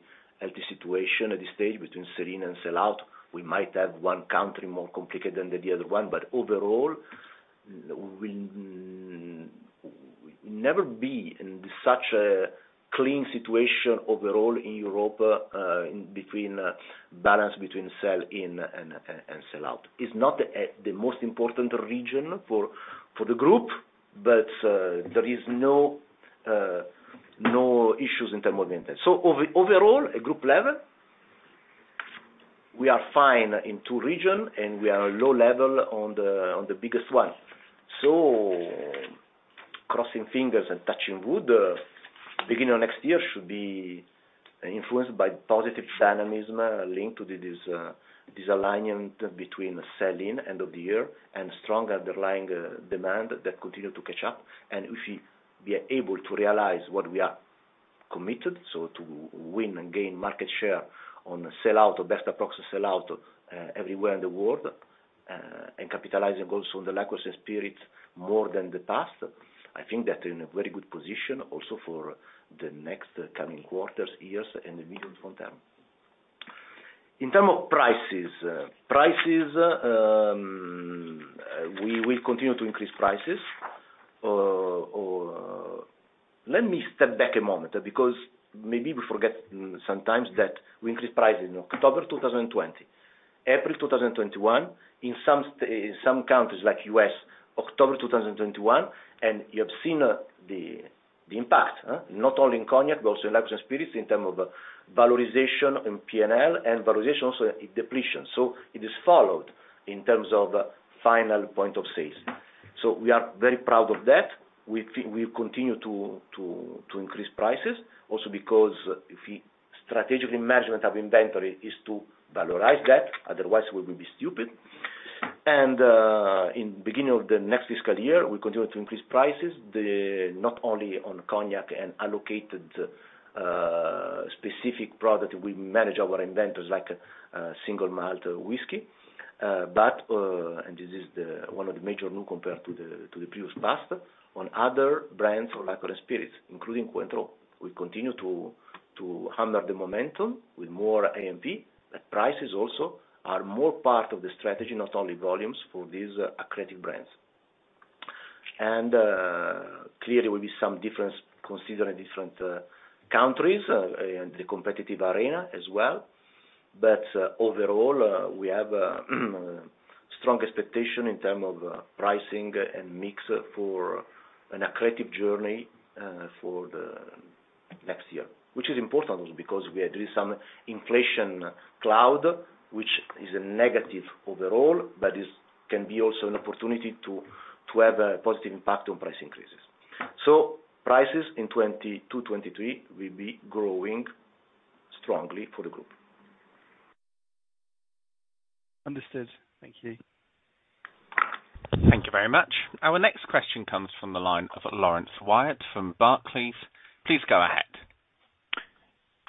situation at this stage between sell-in and sell-out. We might have one country more complicated than the other one, but overall, we'll never be in such a clean situation overall in Europe, in between balance between sell-in and sell-out. It's not the most important region for the group, but there is no issues in terms of inventory. Overall, at group level, we are fine in two regions, and we are low level on the biggest one. Crossing fingers and touching wood, beginning of next year should be influenced by positive dynamism linked to this alignment between sell-in at the end of the year and strong underlying demand that continue to catch up. If we are able to realize what we are committed to, so to win and gain market share on sell-out or best approx sell-out everywhere in the world, and capitalizing also on the liquors and spirits more than the past, I think that we're in a very good position also for the next coming quarters, years, and the medium long term. In terms of prices. Prices, we will continue to increase prices. Let me step back a moment because maybe we forget sometimes that we increased price in October 2020, April 2021, in some countries like U.S., October 2021, and you have seen the impact. Not only in cognac but also in liqueurs and spirits in terms of valorization in P&L and valorization also in depletion. We are very proud of that. We continue to increase prices also because if we... Strategic management of inventory is to valorize that, otherwise we will be stupid. In the beginning of the next fiscal year, we continue to increase prices. Not only on cognac and allocated specific product, we manage our inventories like single malt whiskey. This is one of the major new compared to the previous past. On other brands for liqueurs and spirits, including Cointreau, we continue to handle the momentum with more A&P. The prices also are more part of the strategy, not only volumes for these accretive brands. Clearly there will be some difference considering different countries and the competitive arena as well. Overall, we have a strong expectation in terms of pricing and mix for an accretive journey for the next year. Which is important also because we are doing some inflationary cloud, which is a negative overall but can be also an opportunity to have a positive impact on price increases. Prices in 2022, 2023 will be growing strongly for the group. Understood. Thank you. Thank you very much. Our next question comes from the line of Laurence Whyatt from Barclays. Please go ahead.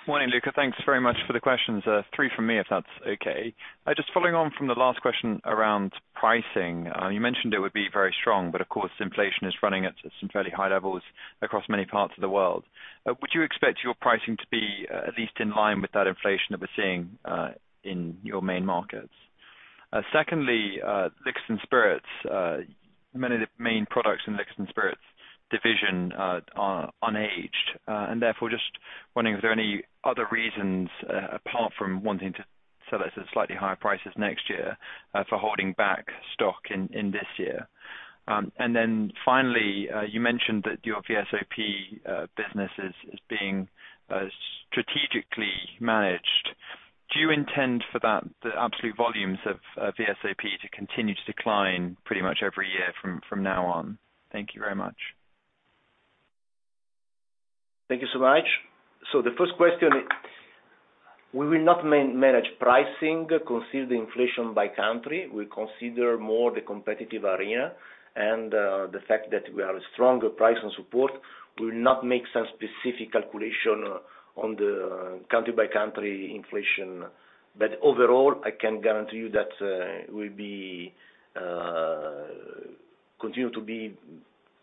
Morning, Luca. Thanks very much for the questions. Three from me, if that's okay. Just following on from the last question around pricing. You mentioned it would be very strong, but of course, inflation is running at some fairly high levels across many parts of the world. Would you expect your pricing to be at least in line with that inflation that we're seeing in your main markets? Secondly, Liqueurs and Spirits. Many of the main products in Liqueurs and Spirits division are unaged. Therefore just wondering if there are any other reasons apart from wanting to sell this at slightly higher prices next year for holding back stock in this year. Finally, you mentioned that your VSOP business is being strategically managed. Do you intend for that, the absolute volumes of VSOP to continue to decline pretty much every year from now on? Thank you very much. Thank you so much. The first question, we will not manage pricing considering inflation by country. We consider more the competitive area and the fact that we are stronger pricing support. We will not make some specific calculation on the country by country inflation. Overall, I can guarantee you that we'll continue to be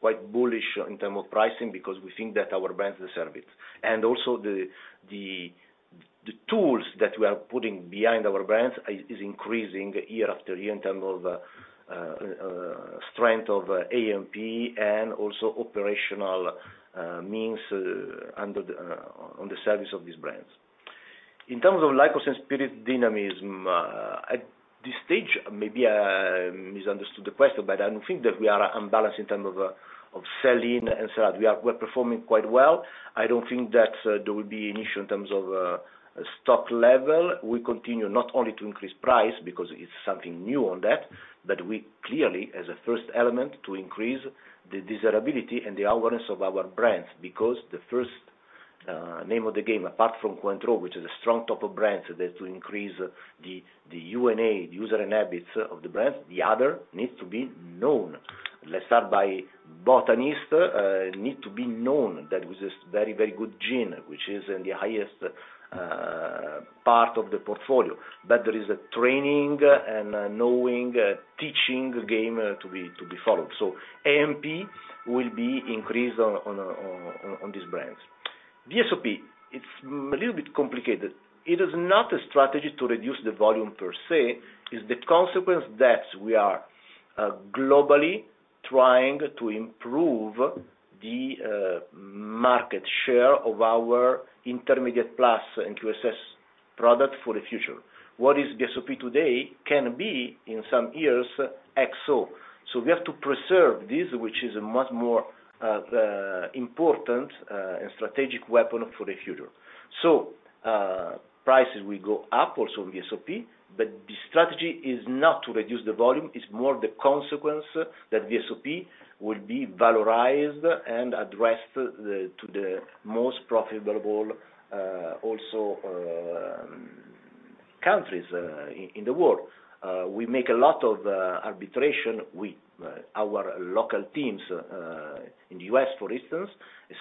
quite bullish in terms of pricing because we think that our brands deserve it. Also the tools that we are putting behind our brands is increasing year after year in terms of strength of A&P and also operational means at the service of these brands. In terms of Liqueurs & Spirits dynamism, at this stage, maybe I misunderstood the question, but I don't think that we are unbalanced in terms of sell-in and sell-out. We're performing quite well. I don't think that there will be an issue in terms of stock level. We continue not only to increase price because it's something new on that, but we clearly, as a first element, to increase the desirability and the awareness of our brands. Because the first name of the game, apart from Cointreau, which is a strong top of brands that to increase the U&A, the usage and attitudes of the brands, the other needs to be known. Let's start by The Botanist need to be known. That was a very, very good gin, which is in the highest part of the portfolio. There is a training and knowing, teaching game to be followed. A&P will be increased on these brands. VSOP, it's a little bit complicated. It is not a strategy to reduce the volume per se. It's the consequence that we are globally trying to improve the market share of our intermediate plus and QSS product for the future. What is VSOP today can be, in some years, XO. We have to preserve this, which is a much more important and strategic weapon for the future. Prices will go up, also VSOP. The strategy is not to reduce the volume, it's more the consequence that VSOP will be valorized and addressed to the most profitable also countries in the world. We make a lot of arbitration with our local teams in the U.S., for instance.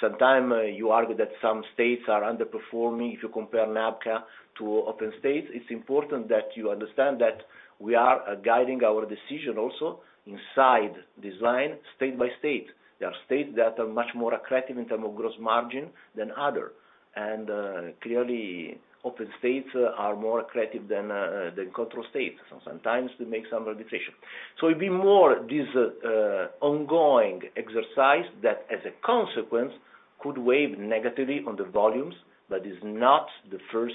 Sometimes you argue that some states are underperforming if you compare NABCA to open states. It's important that you understand that we are guiding our decision also inside this line, state by state. There are states that are much more attractive in terms of gross margin than other. Clearly, open states are more attractive than controlled states. Sometimes we make some decision. It'd be more this ongoing exercise that, as a consequence, could weigh negatively on the volumes. That is not the first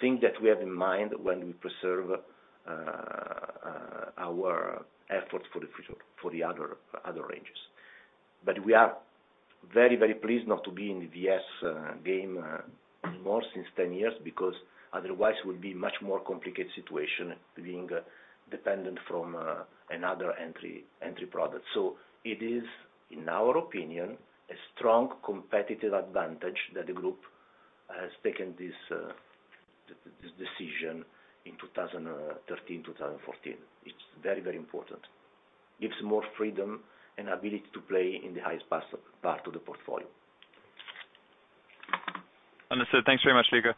thing that we have in mind when we preserve our efforts for the future for the other ranges. We are very, very pleased not to be in the VS game anymore since 10 years, because otherwise it would be much more complicated situation being dependent from another entry product. It is, in our opinion, a strong competitive advantage that the group has taken this decision in 2013, 2014. It's very, very important. It gives more freedom and ability to play in the highest part of the portfolio. Understood. Thanks very much, Luca.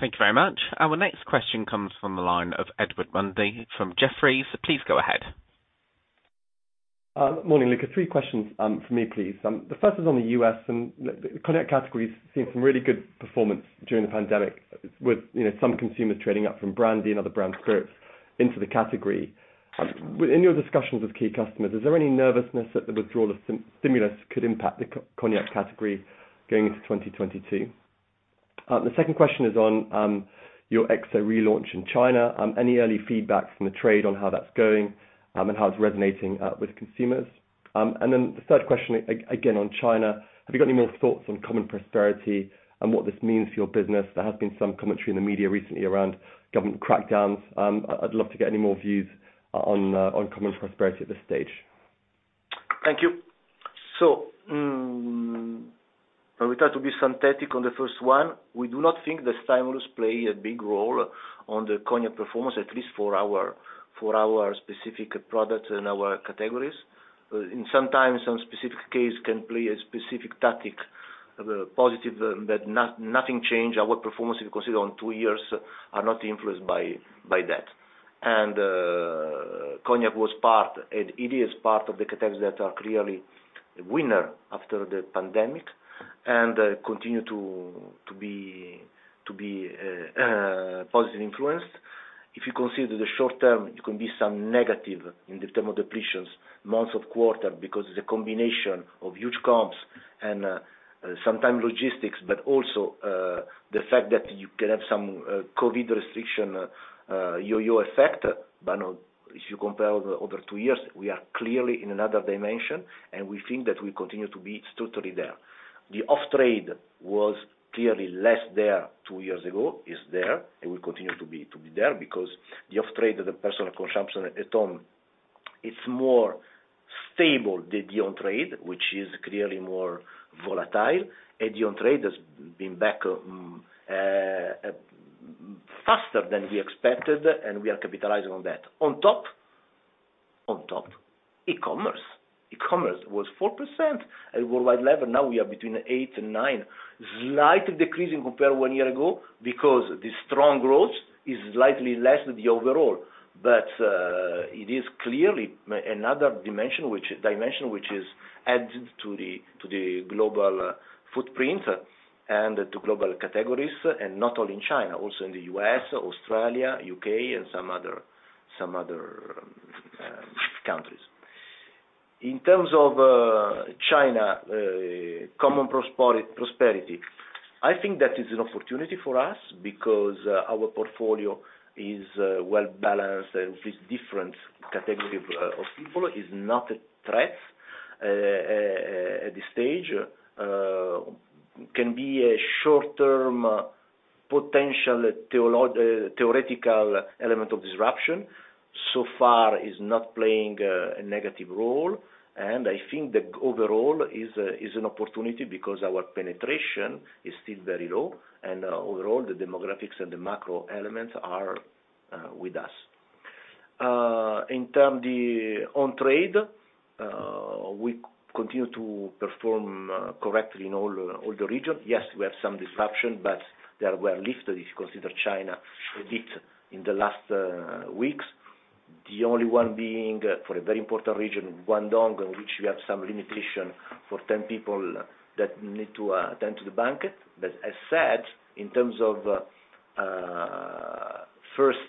Thank you very much. Our next question comes from the line of Edward Mundy from Jefferies. Please go ahead. Morning, Luca. Three questions for me, please. The first is on the U.S., and the Cognac category's seen some really good performance during the pandemic with, you know, some consumers trading up from brandy and other brown spirits into the category. Within your discussions with key customers, is there any nervousness that the withdrawal of stimulus could impact the Cognac category going into 2022? The second question is on your XO relaunch in China. Any early feedback from the trade on how that's going and how it's resonating with consumers? The third question, again, on China, have you got any more thoughts on common prosperity and what this means for your business? There has been some commentary in the media recently around government crackdowns. I'd love to get any more views on common prosperity at this stage. Thank you. I will try to be succinct on the first one. We do not think the stimulus play a big role on the Cognac performance, at least for our specific products and our categories. In some times some specific case can play a specific tactic positive, but nothing change our performance if you consider over two years are not influenced by that. Cognac was part and it is part of the categories that are clearly winners after the pandemic and continue to be positive influence. If you consider the short term, it can be some negative in terms of depletions month-over-month or quarter because of the combination of huge comps and sometimes logistics, but also the fact that you can have some COVID restriction yo-yo effect. No, if you compare over two years, we are clearly in another dimension, and we think that we continue to be structurally there. The off-trade was clearly less there two years ago, is there, and will continue to be there because the off-trade of the personal consumption at home, it's more stable than the on-trade, which is clearly more volatile. The on-trade has been back faster than we expected, and we are capitalizing on that. On top, e-commerce. E-commerce was 4% at worldwide level. Now we are between 8%-9%. Slightly decreasing compared one year ago because the strong growth is slightly less than the overall. It is clearly another dimension which is added to the global footprint and to global categories, and not only in China, also in the U.S., Australia, U.K. and some other countries. In terms of China, common prosperity, I think that is an opportunity for us because our portfolio is well-balanced and with different category of people is not a threat at this stage. It can be a short-term potential theoretical element of disruption. So far is not playing a negative role, and I think the overall is an opportunity because our penetration is still very low, and overall the demographics and the macro elements are with us. In terms of the on-trade, we continue to perform correctly in all the regions. Yes, we have some disruption, but they are well lifted if you consider China a bit in the last weeks. The only one being, for a very important region, Guangdong, in which we have some limitation for 10 people that need to attend to the bank. But as said, in terms of first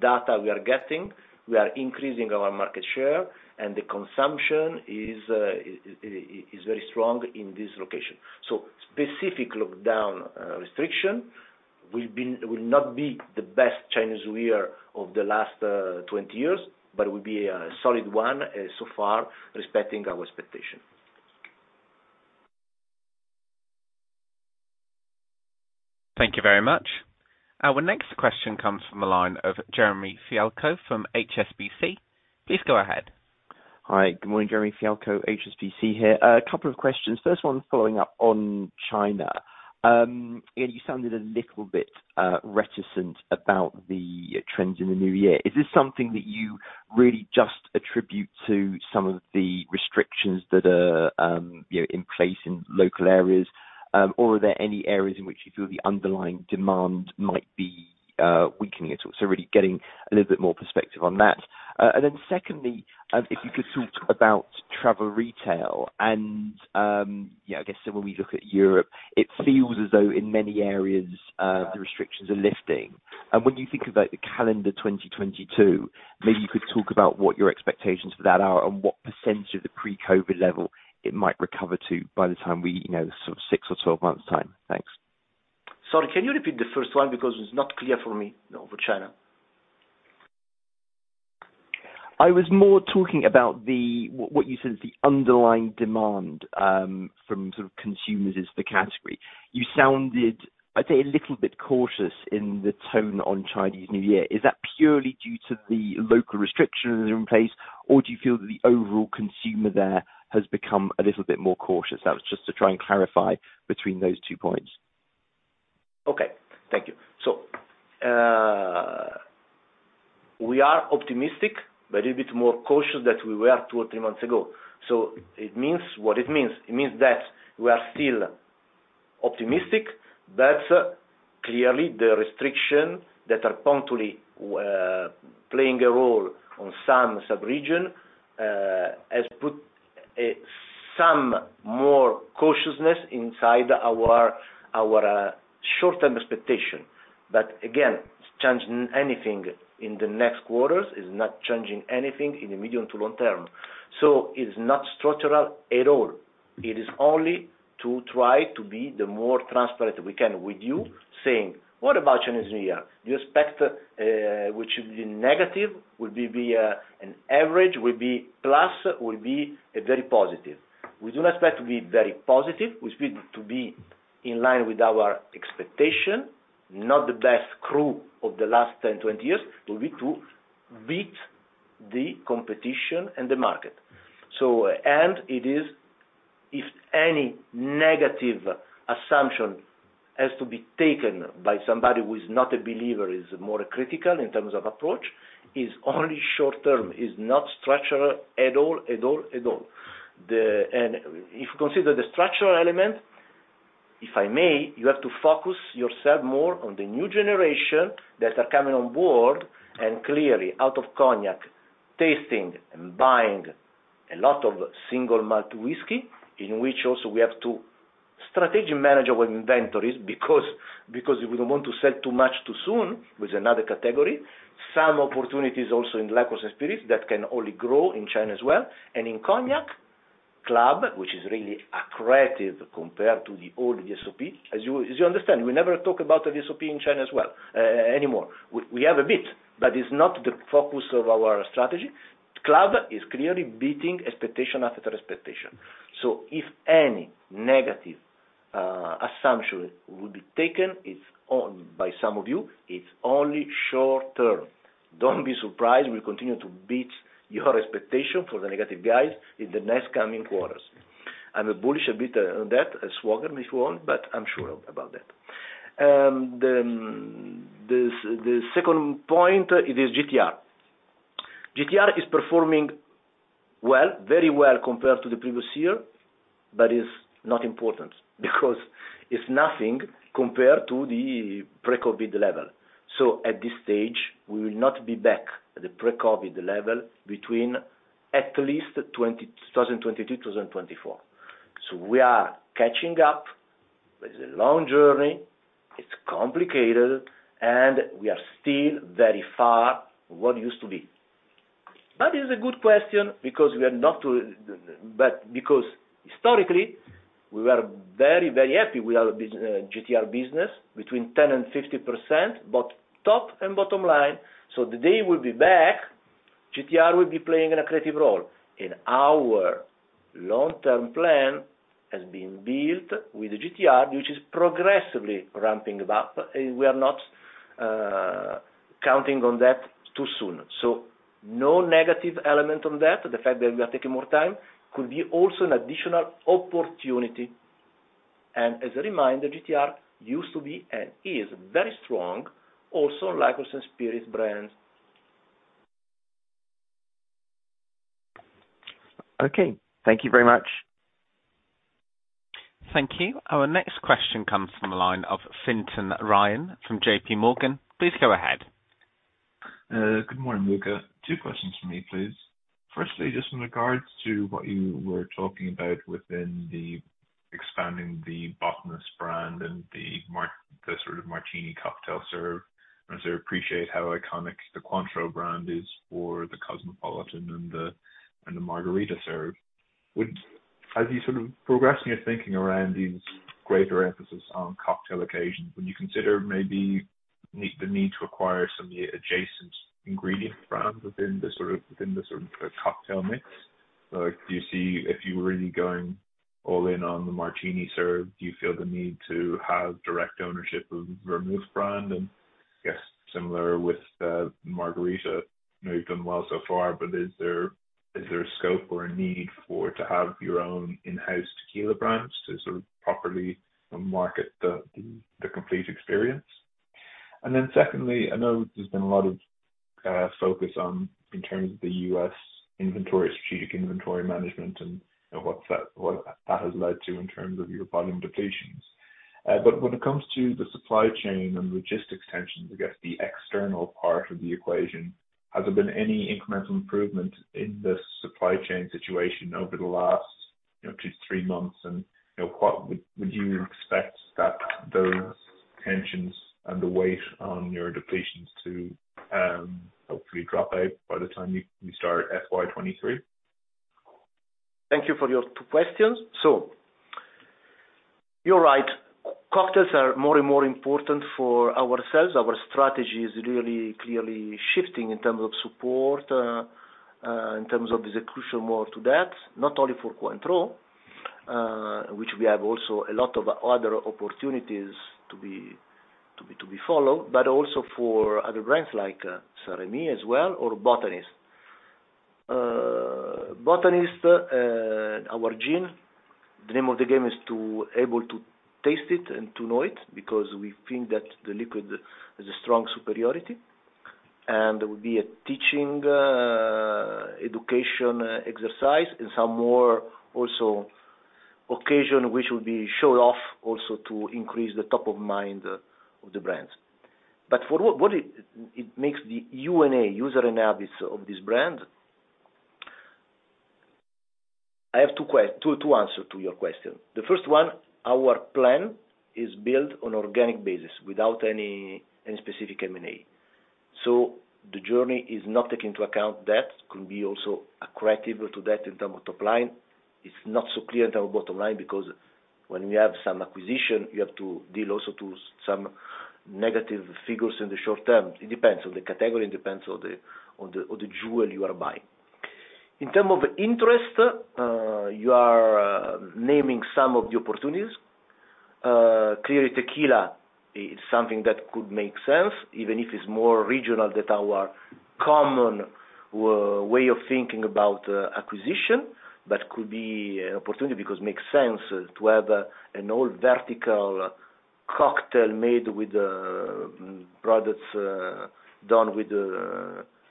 data we are getting, we are increasing our market share, and the consumption is very strong in this location. Specific lockdown restriction will not be the best Chinese year of the last 20 years, but it will be a solid one so far, respecting our expectation. Thank you very much. Our next question comes from the line of Jeremy Fialko from HSBC. Please go ahead. Hi. Good morning. Jeremy Fialko, HSBC here. A couple of questions. First one following up on China. Yeah, you sounded a little bit reticent about the trends in the new year. Is this something that you really just attribute to some of the restrictions that are, you know, in place in local areas? Or are there any areas in which you feel the underlying demand might be weakening at all? Really getting a little bit more perspective on that. Secondly, if you could talk about travel retail and, yeah, I guess when we look at Europe, it feels as though in many areas, the restrictions are lifting. When you think about the calendar 2022, maybe you could talk about what your expectations for that are and what percentage of the pre-COVID level it might recover to by the time we, you know, sort of six or 12 months time. Thanks. Sorry, can you repeat the first one? Because it's not clear for me over China. I was more talking about the, what you said is the underlying demand, from sort of consumers as the category. You sounded, I'd say, a little bit cautious in the tone on Chinese New Year. Is that purely due to the local restrictions that are in place, or do you feel that the overall consumer there has become a little bit more cautious? That was just to try and clarify between those two points. Okay. Thank you. We are optimistic, but a little bit more cautious than we were two or three months ago. It means what it means. It means that we are still optimistic, but clearly, there are restrictions that are punctually playing a role on some sub-region, which has put some more cautiousness inside our short-term expectation. But again, it's not changing anything in the next quarters, it's not changing anything in the medium to long term. It's not structural at all. It is only to try to be as transparent as we can with you saying, "What about Chinese New Year? Do you expect which would be negative, will be an average, will be plus, will be a very positive?" We do not expect to be very positive. We expect to be in line with our expectation, not the best crew of the last 10, 20 years. It will be to beat the competition and the market. It is, if any negative assumption has to be taken by somebody who is not a believer, is more critical in terms of approach, is only short term, is not structural at all. If you consider the structural element, if I may, you have to focus yourself more on the new generation that are coming on board and clearly out of cognac tasting and buying a lot of single malt whiskey, in which also we have to strategically manage our inventories because we don't want to sell too much too soon with another category. Some opportunities also in liqueurs and spirits that can only grow in China as well. In cognac CLUB, which is really accretive compared to the old VSOP. As you understand, we never talk about a VSOP in China as well anymore. We have a bit, but it's not the focus of our strategy. CLUB is clearly beating expectation after expectation. If any negative assumption would be taken, it's by some of you, it's only short term. Don't be surprised, we'll continue to beat your expectation for the negative guys in the next coming quarters. I'm a bit bullish on that, a swagger, if you want, but I'm sure about that. The second point, it is GTR. GTR is performing well, very well compared to the previous year, but it's not important because it's nothing compared to the pre-COVID level. At this stage, we will not be back at the pre-COVID level until at least 2022-2024. We are catching up. This is a long journey, it's complicated, and we are still very far from what it used to be. That is a good question because historically, we were very, very happy with our GTR business between 10%-50%, both top and bottom line. The day we'll be back, GTR will be playing an accretive role. Our long-term plan has been built with the GTR, which is progressively ramping up, and we are not counting on that too soon. No negative element on that. The fact that we are taking more time could be also an additional opportunity. As a reminder, GTR used to be and is very strong also on liquors and spirits brands. Okay, thank you very much. Thank you. Our next question comes from the line of Fintan Ryan from JPMorgan. Please go ahead. Good morning, Luca. Two questions from me, please. Firstly, just in regards to what you were talking about within the expanding the Botanist brand and the sort of Martini cocktail serve, as I appreciate how iconic the Cointreau brand is for the cosmopolitan and the margarita serve. Are you sort of progressing your thinking around these greater emphasis on cocktail occasions? Would you consider maybe the need to acquire some of the adjacent ingredient brands within the sort of cocktail mix? Like, do you see if you're really going all in on the Martini serve, do you feel the need to have direct ownership of Vermouth brand? I guess similar with margarita. I know you've done well so far, but is there a scope or a need for to have your own in-house tequila brands to sort of properly market the complete experience? Then secondly, I know there's been a lot of focus on in terms of the U.S. inventory, strategic inventory management and, you know, what that has led to in terms of your volume depletions. But when it comes to the supply chain and logistics tensions, I guess the external part of the equation, has there been any incremental improvement in the supply chain situation over the last, you know, two to three months? You know, what would you expect that those tensions and the weight on your depletions to hopefully drop out by the time you start FY 2023? Thank you for your two questions. You're right. Cocktails are more and more important for our sales. Our strategy is really clearly shifting in terms of support more crucially to that, not only for Cointreau, which we also have a lot of other opportunities to be followed, but also for other brands like St-Rémy as well or Botanist. Botanist, our gin, the name of the game is to be able to taste it and to know it because we think that the liquid has a strong superiority, and there will be a teaching education exercise and some more occasions which will be shown off to increase the top of mind of the brands. For what it makes the U&A, usage and attitudes of this brand. I have two answers to your question. The first one, our plan is built on organic basis without any specific M&A. The journey is not taking into account that could be also accretive to that in terms of top line. It's not so clear in terms of bottom line because when we have some acquisition, you have to deal also with some negative figures in the short term. It depends on the category, it depends on the jewel you are buying. In terms of interest, you are naming some of the opportunities. Clearly tequila is something that could make sense, even if it's more regional than our common way of thinking about acquisition, but could be an opportunity because makes sense to have an all vertical cocktail made with products done with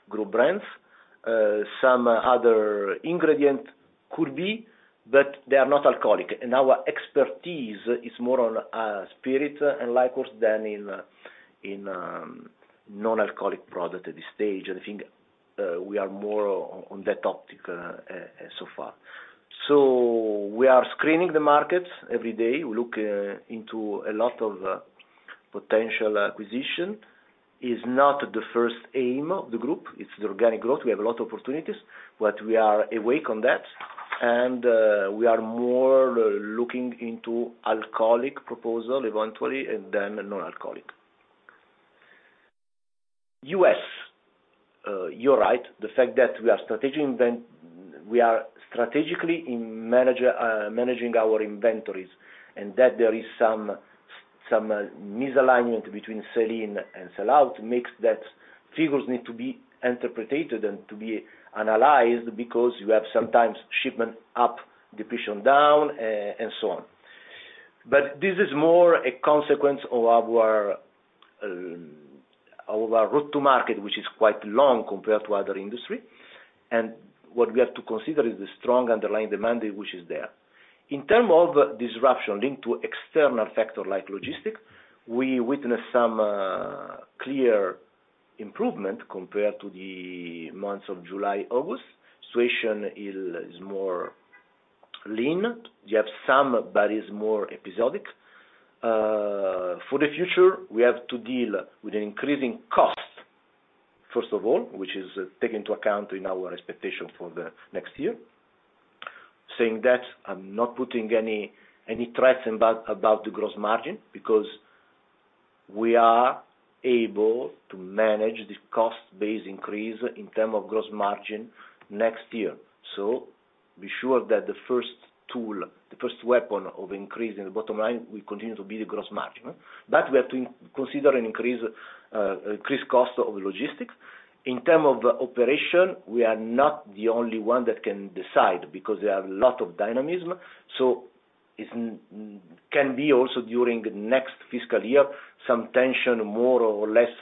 group brands. Some other ingredient could be, but they are not alcoholic, and our expertise is more on spirits and liqueurs than in non-alcoholic product at this stage. I think we are more on that optics so far. We are screening the markets every day. We look into a lot of potential acquisition. It is not the first aim of the group. It is the organic growth. We have a lot of opportunities, but we are awake on that, and we are more looking into alcoholic proposal eventually and then non-alcoholic. U.S., you're right. The fact that we are strategically managing our inventories, and that there is some misalignment between sell-in and sell-out makes those figures need to be interpreted and to be analyzed because you have sometimes shipment up, depletion down, and so on. This is more a consequence of our route to market, which is quite long compared to other industry. What we have to consider is the strong underlying demand which is there. In terms of disruption linked to external factors like logistics, we witnessed some clear improvement compared to the months of July, August. Situation is more lean. You have some barriers, more episodic. For the future, we have to deal with increasing costs, first of all, which is taken into account in our expectation for the next year. Saying that, I'm not putting any threats about the gross margin, because we are able to manage the cost-based increase in terms of gross margin next year. Be sure that the first tool, the first weapon of increasing the bottom line will continue to be the gross margin. We have to consider an increased cost of logistics. In terms of operations, we are not the only one that can decide, because there are a lot of dynamics. It can be also during next fiscal year, some tension, more or less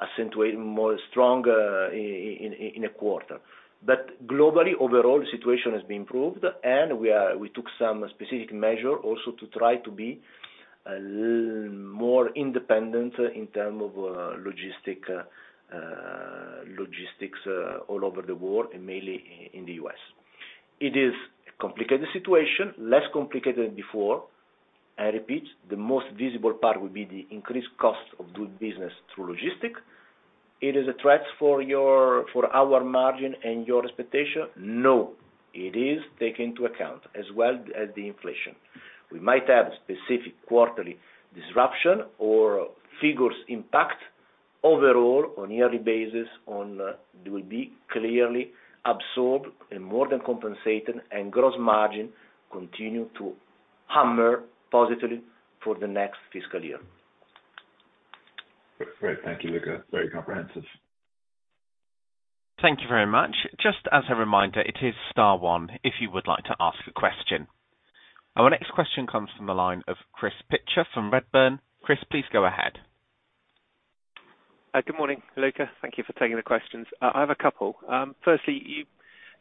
accentuated, more stronger in a quarter. Globally, overall situation has been improved, and we took some specific measures also to try to be a little more independent in terms of logistics all over the world and mainly in the U.S. It is a complicated situation, less complicated before. I repeat, the most visible part would be the increased cost of doing business through logistics. It is a threat for our margin and your expectation? No. It is taken into account as well as the inflation. We might have specific quarterly disruption or figures impact overall on yearly basis. They will be clearly absorbed and more than compensated, and gross margin continue to hammer positively for the next fiscal year. Great. Thank you, Luca. Very comprehensive. Thank you very much. Just as a reminder, it is star one, if you would like to ask a question. Our next question comes from the line of Chris Pitcher from Redburn. Chris, please go ahead. Good morning, Luca. Thank you for taking the questions. I have a couple. Firstly,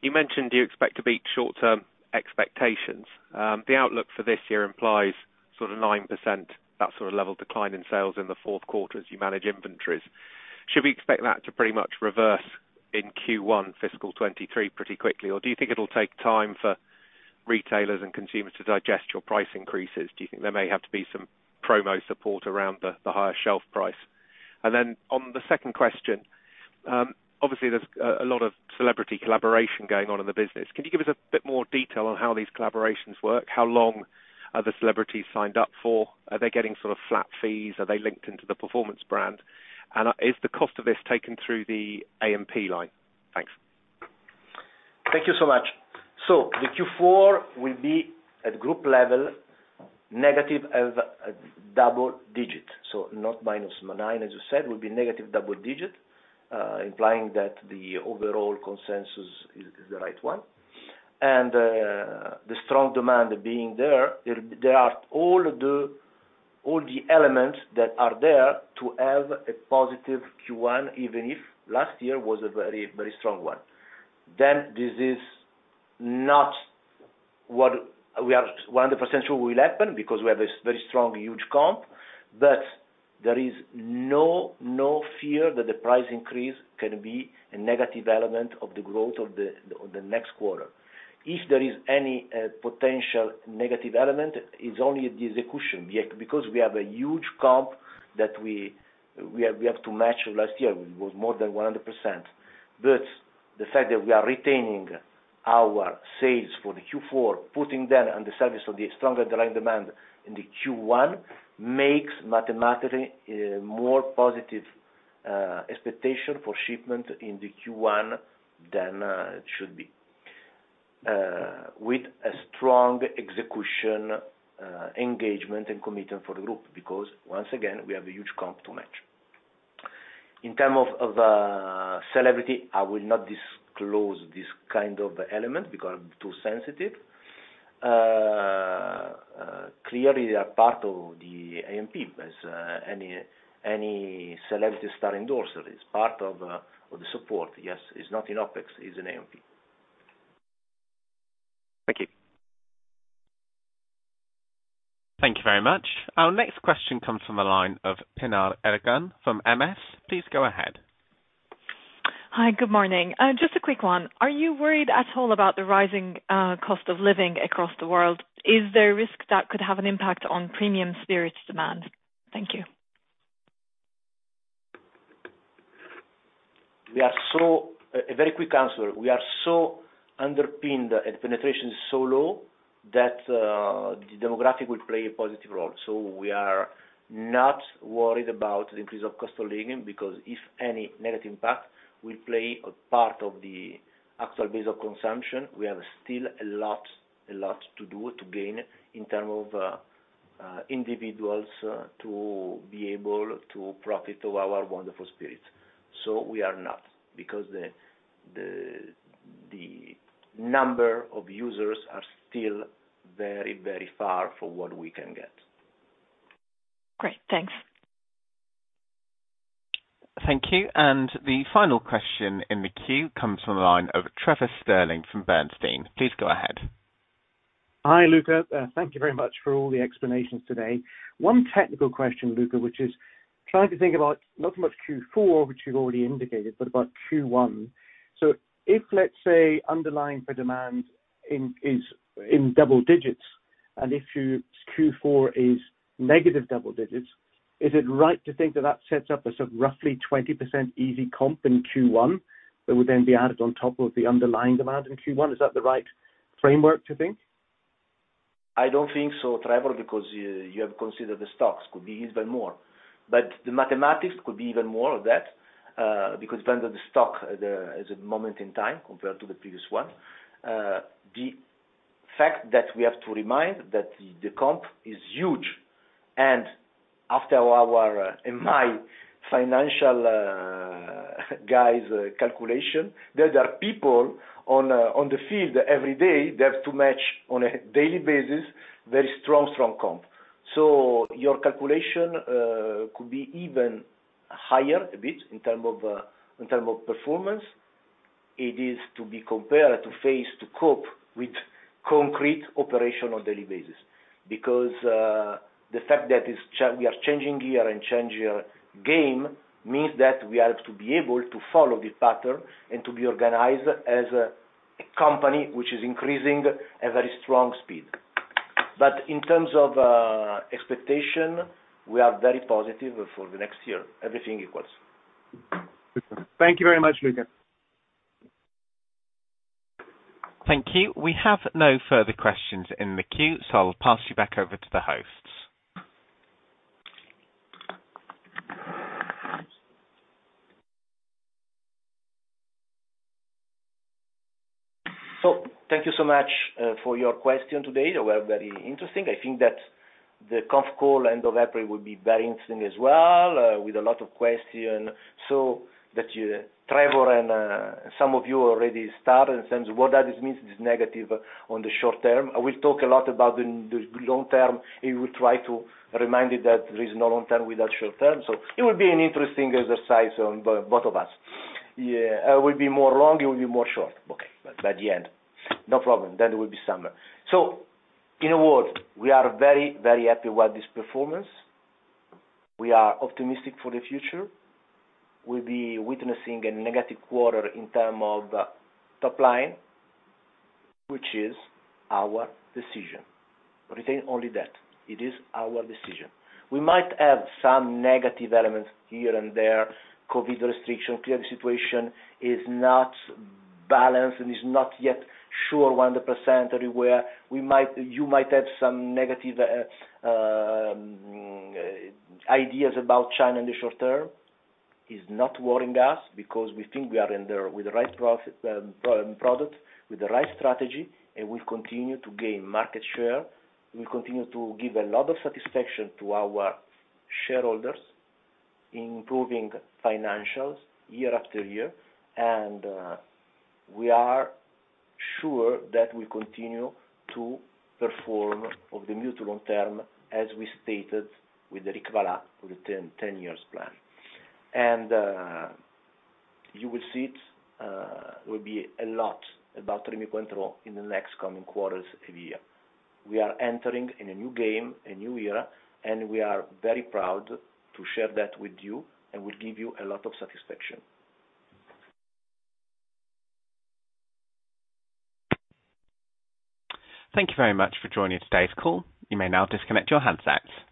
you mentioned you expect to beat short-term expectations. The outlook for this year implies sort of 9%, that sort of level decline in sales in the fourth quarter as you manage inventories. Should we expect that to pretty much reverse in Q1 fiscal 2023 pretty quickly, or do you think it'll take time for retailers and consumers to digest your price increases? Do you think there may have to be some promo support around the higher shelf price? On the second question, obviously there's a lot of celebrity collaboration going on in the business. Can you give us a bit more detail on how these collaborations work? How long are the celebrities signed up for? Are they getting sort of flat fees? Are they linked into the Performance Brand? Is the cost of this taken through the A&P line? Thanks. Thank you so much. The Q4 will be at group level, negative double digit, so not -9%, as you said, will be negative double digit, implying that the overall consensus is the right one. The strong demand being there are all the elements that are there to have a positive Q1, even if last year was a very strong one. This is not what we are 100% sure will happen because we have a very strong, huge comp, but there is no fear that the price increase can be a negative element of the growth of the next quarter. If there is any potential negative element, it's only the execution. Because we have a huge comp that we have to match last year, it was more than 100%. The fact that we are retaining our sales for the Q4, putting that at the service of the stronger underlying demand in the Q1 makes mathematically a more positive expectation for shipment in the Q1 than it should be. With a strong execution, engagement and commitment for the group, because once again, we have a huge comp to match. In terms of celebrity, I will not disclose this kind of element because I'm too sensitive. Clearly they are part of the A&P as any celebrity star endorser is part of the support. Yes, it's not in OpEx, it's in A&P. Thank you. Thank you very much. Our next question comes from a line of Pinar Ergun from MS. Please go ahead. Hi. Good morning. Just a quick one. Are you worried at all about the rising cost of living across the world? Is there a risk that could have an impact on premium spirits demand? Thank you. A very quick answer. We are so underpinned and penetration is so low that the demographic will play a positive role. We are not worried about the increase of cost of living because if any negative impact will play a part of the actual base of consumption, we have still a lot to do to gain in terms of individuals to be able to profit of our wonderful spirit. We are not because the number of users are still very far from what we can get. Great. Thanks. Thank you. The final question in the queue comes from the line of Trevor Stirling from Bernstein. Please go ahead. Hi, Luca. Thank you very much for all the explanations today. One technical question, Luca, which is trying to think about not so much Q4, which you've already indicated, but about Q1. If, let's say, underlying for demand in, is in double digits, and Q4 is negative double digits, is it right to think that that sets up a sort of roughly 20% easy comp in Q1 that would then be added on top of the underlying demand in Q1? Is that the right framework to think? I don't think so, Trevor, because you have considered the stocks could be even more. The mathematics could be even more of that, because then the stock as a moment in time compared to the previous one. The fact that we have to remind that the comp is huge, and after our and my financial guys calculation, there are people on the field every day, they have to match on a daily basis, very strong comp. Your calculation could be even higher a bit in terms of performance. It is to be compared to have to cope with concrete operational daily basis. Because the fact that we are changing gear and changing our game, means that we have to be able to follow the pattern and to be organized as a company which is increasing at very strong speed. In terms of expectation, we are very positive for the next year. All else equal. Thank you very much, Luca. Thank you. We have no further questions in the queue, so I'll pass you back over to the hosts. Thank you so much for your question today. They were very interesting. I think that the conf call end of April will be very interesting as well, with a lot of question. That you, Trevor, and some of you already started in terms of what that means is negative on the short term. I will talk a lot about the long term. I will try to remind you that there is no long term without short term. It will be an interesting exercise on both of us. I will be more long, you will be more short. Okay. By the end, no problem. It will be summer. In a word, we are very, very happy about this performance. We are optimistic for the future. We'll be witnessing a negative quarter in terms of top line, which is our decision. Retain only that. It is our decision. We might have some negative elements here and there. COVID restriction. Clearly, the situation is not balanced and is not yet 100% everywhere. We might. You might have some negative ideas about China in the short term. It's not worrying us because we think we are with the right product, with the right strategy, and we'll continue to gain market share. We'll continue to give a lot of satisfaction to our shareholders, improving financials year after year. We are sure that we continue to perform over the mid to long term, as we stated with Eric Vallat with the 10-year plan. You will see it will be a lot about Rémy Cointreau in the next coming quarters of the year. We are entering in a new game, a new era, and we are very proud to share that with you, and we'll give you a lot of satisfaction. Thank you very much for joining today's call. You may now disconnect your handsets.